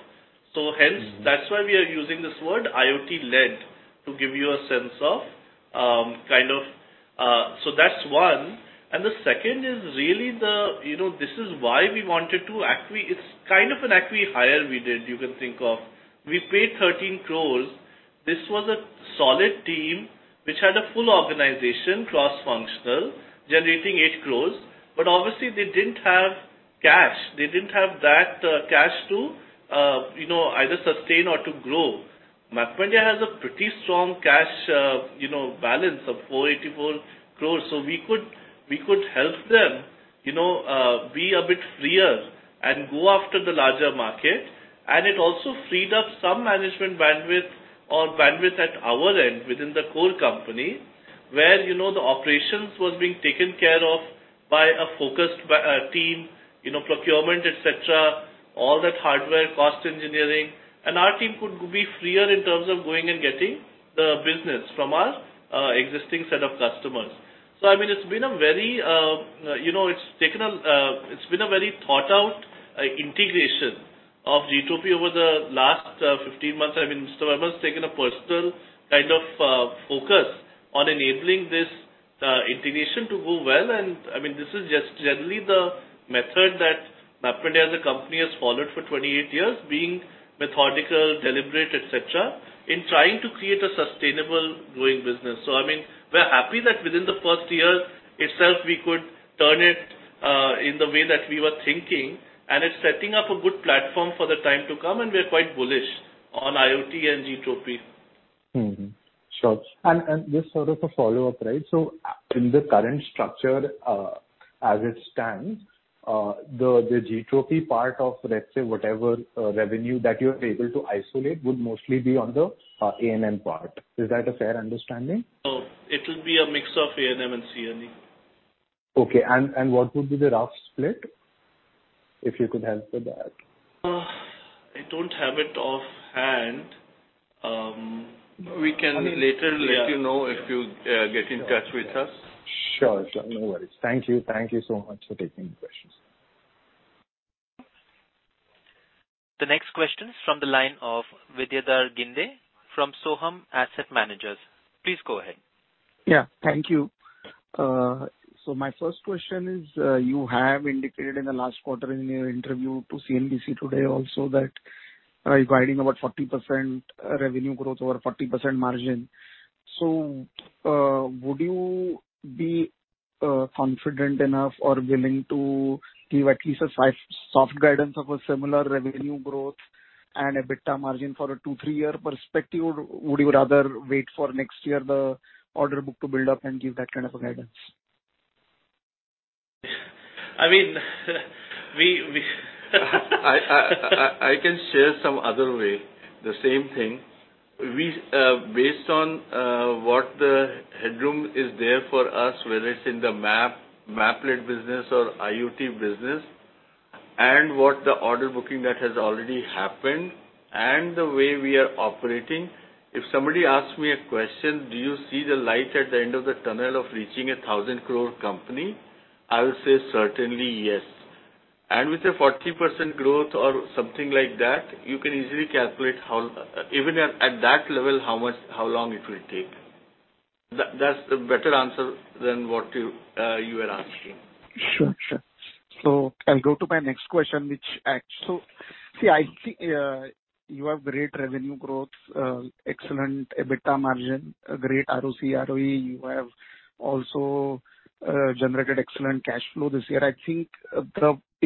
Hence that's why we are using this word IoT-led to give you a sense of kind of. So that's one. The second is really the, you know, this is why we wanted to. It's kind of an acqui-hire we did, you can think of. We paid 13 crores. This was a solid team which had a full organization, cross-functional, generating 8 crores. Obviously they didn't have cash, they didn't have that cash to, you know, either sustain or to grow. MapmyIndia has a pretty strong cash, you know, balance of 484 crores. We could, we could help them, you know, be a bit freer and go after the larger market. It also freed up some management bandwidth or bandwidth at our end within the core company where, you know, the operations was being taken care of by a focused team, you know, procurement, et cetera, all that hardware, cost engineering. Our team could be freer in terms of going and getting the business from our existing set of customers. I mean, it's been a very, you know, it's taken a... it's been a very thought-out, integration of Gtropy over the last, 15 months. I mean, Mr. Verma has taken a personal kind of, focus on enabling this, integration to go well. I mean, this is just generally the method that MapmyIndia as a company has followed for 28 years, being methodical, deliberate, et cetera, in trying to create a sustainable growing business. I mean, we're happy that within the first year itself we could turn it, in the way that we were thinking, and it's setting up a good platform for the time to come, and we're quite bullish on IoT and Gtropy. Mm-hmm. Sure. just sort of a follow-up, right? In the current structure, as it stands, the Gtropy part of, let's say, whatever, revenue that you are able to isolate would mostly be on the A&M part. Is that a fair understanding? No. It will be a mix of A&M and C&E. Okay. What would be the rough split, if you could help with that? I don't have it offhand. We can later let you know if you get in touch with us. Sure. Sure. No worries. Thank you. Thank you so much for taking the questions. The next question is from the line of Vidyadhar Ginde from Sohum Asset Managers. Please go ahead. Yeah. Thank you. My first question is, you have indicated in the last quarter in your interview to CNBC today also that you're guiding about 40% revenue growth over 40% margin. Would you be confident enough or willing to give at least soft guidance of a similar revenue growth and EBITDA margin for a two, three-year perspective? Would you rather wait for next year the order book to build up and give that kind of a guidance? I mean, we. I can share some other way, the same thing. We based on what the headroom is there for us, whether it's in the Map-led business or IoT business, and what the order booking that has already happened and the way we are operating, if somebody asks me a question, "Do you see the light at the end of the tunnel of reaching a 1,000 crore company?" I will say certainly yes. With a 40% growth or something like that, you can easily calculate how even at that level, how much, how long it will take. That's the better answer than what you are asking. Sure. Sure. I'll go to my next question, which I think, you have great revenue growth, excellent EBITDA margin, a great ROC, ROE. You have also generated excellent cash flow this year. I think,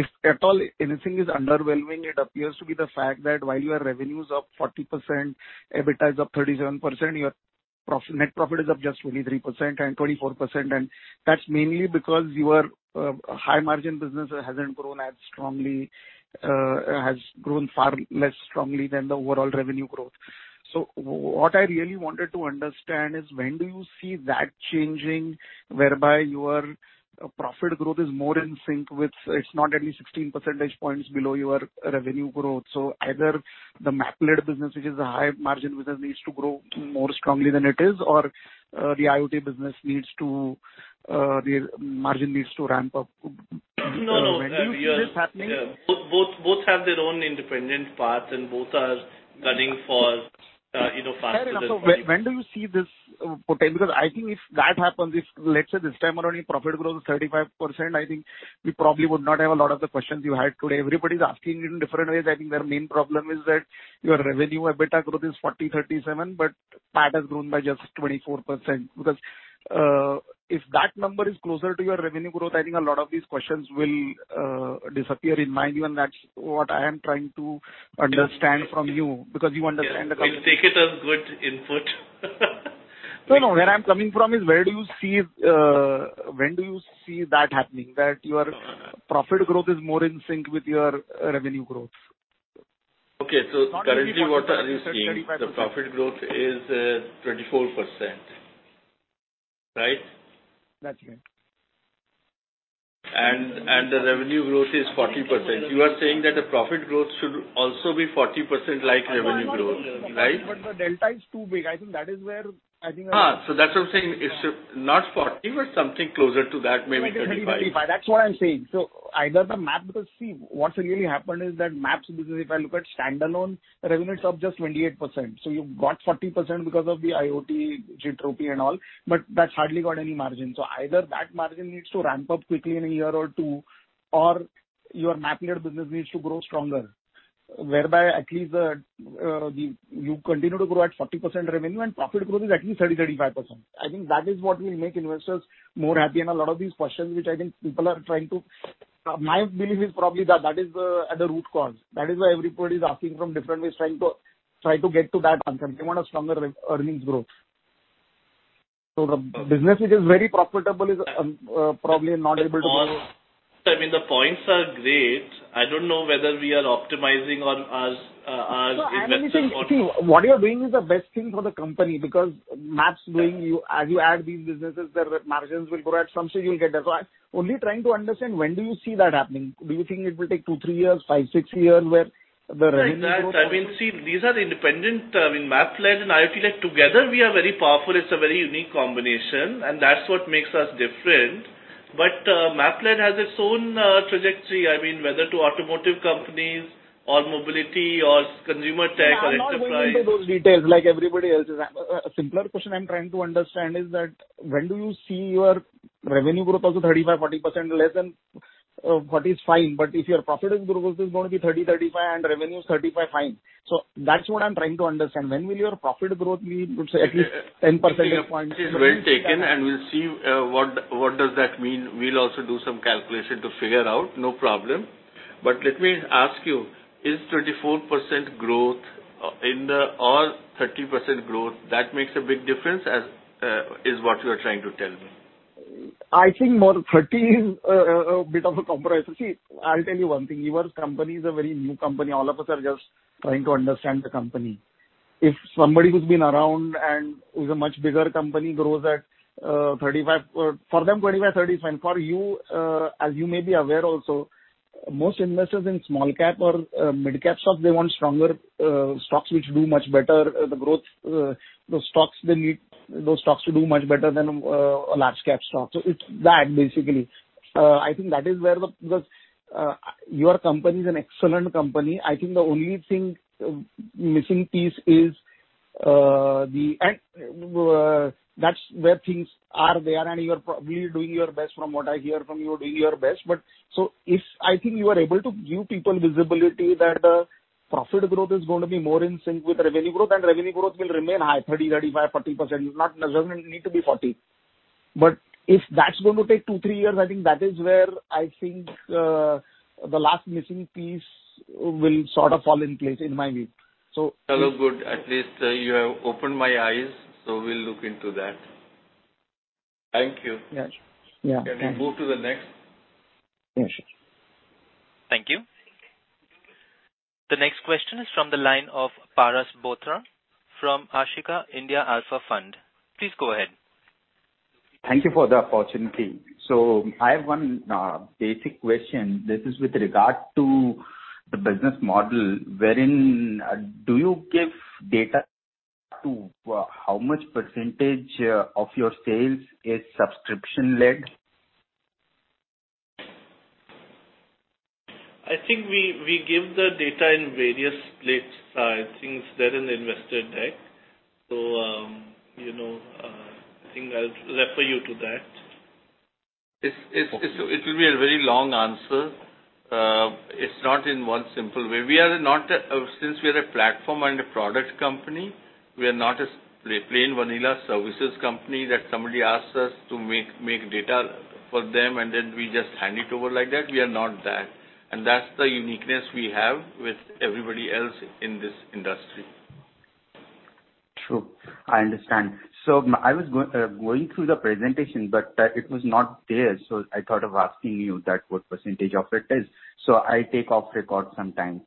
if at all anything is underwhelming, it appears to be the fact that while your revenue's up 40%, EBITDA is up 37%, your net profit is up just 23% and 24%, and that's mainly because your high margin business hasn't grown as strongly, has grown far less strongly than the overall revenue growth. What I really wanted to understand is when do you see that changing, whereby your profit growth is more in sync with... it's not at least 16 percentage points below your revenue growth. Either the map-led business, which is a high margin business, needs to grow more strongly than it is or the IoT business needs to, the margin needs to ramp up. No, no. When do you see this happening? Yeah. Both have their own independent paths, both are gunning for, you know, faster- Fair enough. When do you see this potential? I think if that happens, if let's say this time around your profit growth is 35%, I think we probably would not have a lot of the questions you had today. Everybody's asking it in different ways. I think their main problem is that your revenue EBITDA growth is 40%, 37%, but PAT has grown by just 24%. If that number is closer to your revenue growth, I think a lot of these questions will disappear in my view, and that's what I am trying to understand from you because you understand the company. Yeah. We'll take it as good input. No, no. Where I'm coming from is When do you see that happening that your profit growth is more in sync with your revenue growth? Okay. currently what are you seeing, the profit growth is 24%. Right? That's right. The revenue growth is 40%. You are saying that the profit growth should also be 40% like revenue growth, right? The delta is too big. I think that is where I think. That's what I'm saying. It's not 40, but something closer to that, maybe 35. Maybe like 30, 35. That's what I'm saying. Because, see, what's really happened is that Map-led business, if I look at standalone, revenue is up just 28%. You've got 40% because of the IoT, Gtropy and all, but that's hardly got any margin. Either that margin needs to ramp up quickly in a year or two or your Map-led business needs to grow stronger, whereby at least, you continue to grow at 40% revenue and profit growth is at least 30%-35%. I think that is what will make investors more happy. A lot of these questions which I think people are trying to. My belief is probably that is the root cause. That is why everybody's asking from different ways, trying to get to that answer. They want a stronger earnings growth. The business which is very profitable is, probably not able to follow. I mean, the points are great. I don't know whether we are optimizing on as investors. No, I know what you're saying. What you're doing is the best thing for the company because Maps bring you, as you add these businesses, their margins will grow, at some stage you'll get there. I'm only trying to understand when do you see that happening? Do you think it will take two, three years, five, six years where the revenue growth- Right. I mean, see, these are the independent, I mean, Map-led and IoT-led together we are very powerful. It's a very unique combination, and that's what makes us different. Map-led has its own trajectory. I mean, whether to automotive companies or mobility or consumer tech. No, I'm not going into those details like everybody else is. I'm a simpler question I'm trying to understand is that when do you see your revenue growth also 35%-40% less than what is fine. If your profit growth is gonna be 30%-35% and revenue is 35%, fine. That's what I'm trying to understand. When will your profit growth be, let's say at least 10 percentage points? Your point is well taken, and we'll see, what does that mean. We'll also do some calculation to figure out, no problem. Let me ask you, is 34% growth, in the... Or 30% growth, that makes a big difference as, is what you are trying to tell me? I think more 30 is a bit of a compromise. See, I'll tell you one thing. Your company is a very new company. All of us are just trying to understand the company. If somebody who's been around and who's a much bigger company grows at 35, for them, 25-30 is fine. For you, as you may be aware also, most investors in small cap or mid cap stocks, they want stronger stocks which do much better, the growth, those stocks to do much better than a large cap stock. It's that basically. I think. Because your company is an excellent company. I think the only thing missing piece is the... That's where things are there and you're probably doing your best from what I hear from you, doing your best. If, I think you are able to give people visibility that profit growth is going to be more in sync with revenue growth, then revenue growth will remain high, 30%, 35%, 40%. Not necessarily need to be 40. If that's going to take two, three years, I think that is where I think the last missing piece will sort of fall in place, in my view. Hello. Good. At least you have opened my eyes, so we'll look into that. Thank you. Yeah. Yeah. Thanks. Can we move to the next? Yeah, sure. Thank you. The next question is from the line of Paras Bothra from Ashika India Alpha Fund. Please go ahead. Thank you for the opportunity. I have one basic question. This is with regard to the business model wherein, do you give data to, how much percentage of your sales is subscription-led? I think we give the data in various splits. I think it's there in the investor deck. you know, I think I'll refer you to that. It's, it will be a very long answer. It's not in one simple way. We are not a since we are a platform and a product company, we are not a plain vanilla services company that somebody asks us to make data for them and then we just hand it over like that. We are not that. That's the uniqueness we have with everybody else in this industry. True. I understand. I was going through the presentation, but it was not clear, so I thought of asking you that what percentage of it is. I take off record sometime.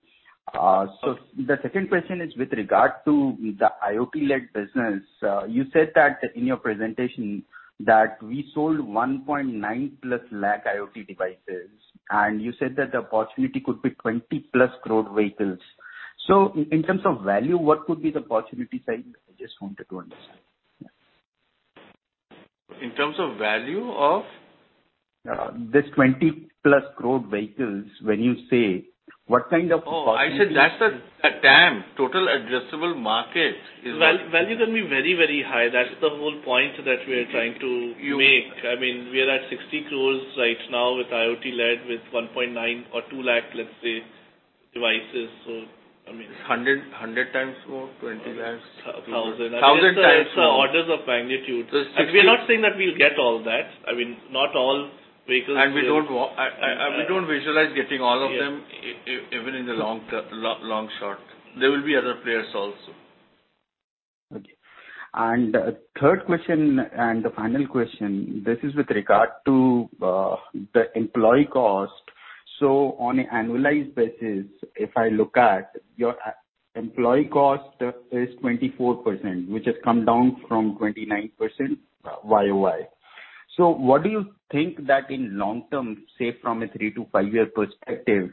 The second question is with regard to the IoT-led business. You said that in your presentation that we sold 1.9+ lakh IoT devices, and you said that the possibility could be 20+ crore vehicles. In terms of value, what could be the possibility side? I just wanted to understand. Yeah. In terms of value of? This 20+ crore vehicles, when you say, what kind of possibilities? I said that's the TAM, total addressable market. Value can be very, very high. That's the whole point that we're trying to make. I mean, we are at 60 crores right now with IoT led with 1.9 or 2 lakh, let's say. Devices. 100x more, 20 labs? Thousand. 1,000x more. It's the orders of magnitude. So 60- We're not saying that we'll get all that. I mean, not all vehicles. We don't visualize getting all of them even in the long shot. There will be other players also. Okay. Third question and the final question, this is with regard to the employee cost. On an annualized basis, if I look at your employee cost is 24%, which has come down from 29% YoY. What do you think that in long term, say from a three to five year perspective,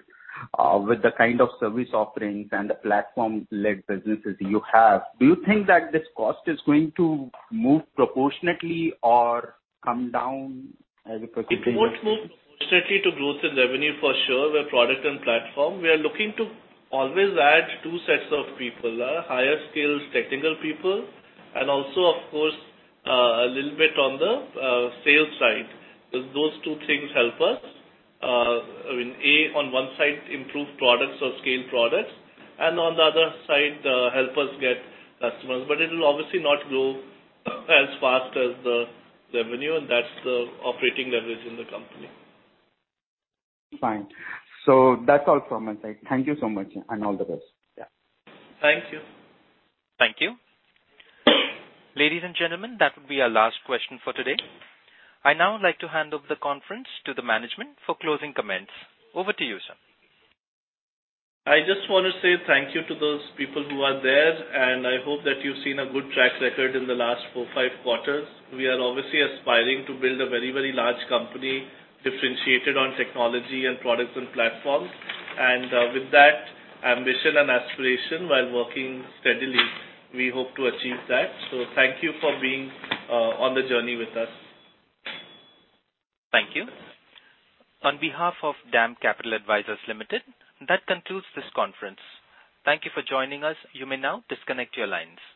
with the kind of service offerings and the platform-led businesses you have, do you think that this cost is going to move proportionately or come down as a percentage? It won't move proportionately to growth in revenue for sure. We're product and platform. We are looking to always add two sets of people, higher skills technical people, and also of course, a little bit on the sales side. Those two things help us. I mean, A, on one side, improve products or scale products, and on the other side, help us get customers. It will obviously not grow as fast as the revenue, and that's the operating leverage in the company. Fine. That's all from my side. Thank you so much, and all the best. Yeah. Thank you. Thank you. Ladies and gentlemen, that would be our last question for today. I now like to hand over the conference to the management for closing comments. Over to you, sir. I just wanna say thank you to those people who are there, and I hope that you've seen a good track record in the last four, five quarters. We are obviously aspiring to build a very, very large company differentiated on technology and products and platforms. With that ambition and aspiration while working steadily, we hope to achieve that. Thank you for being on the journey with us. Thank you. On behalf of DAM Capital Advisors Limited, that concludes this conference. Thank you for joining us. You may now disconnect your lines.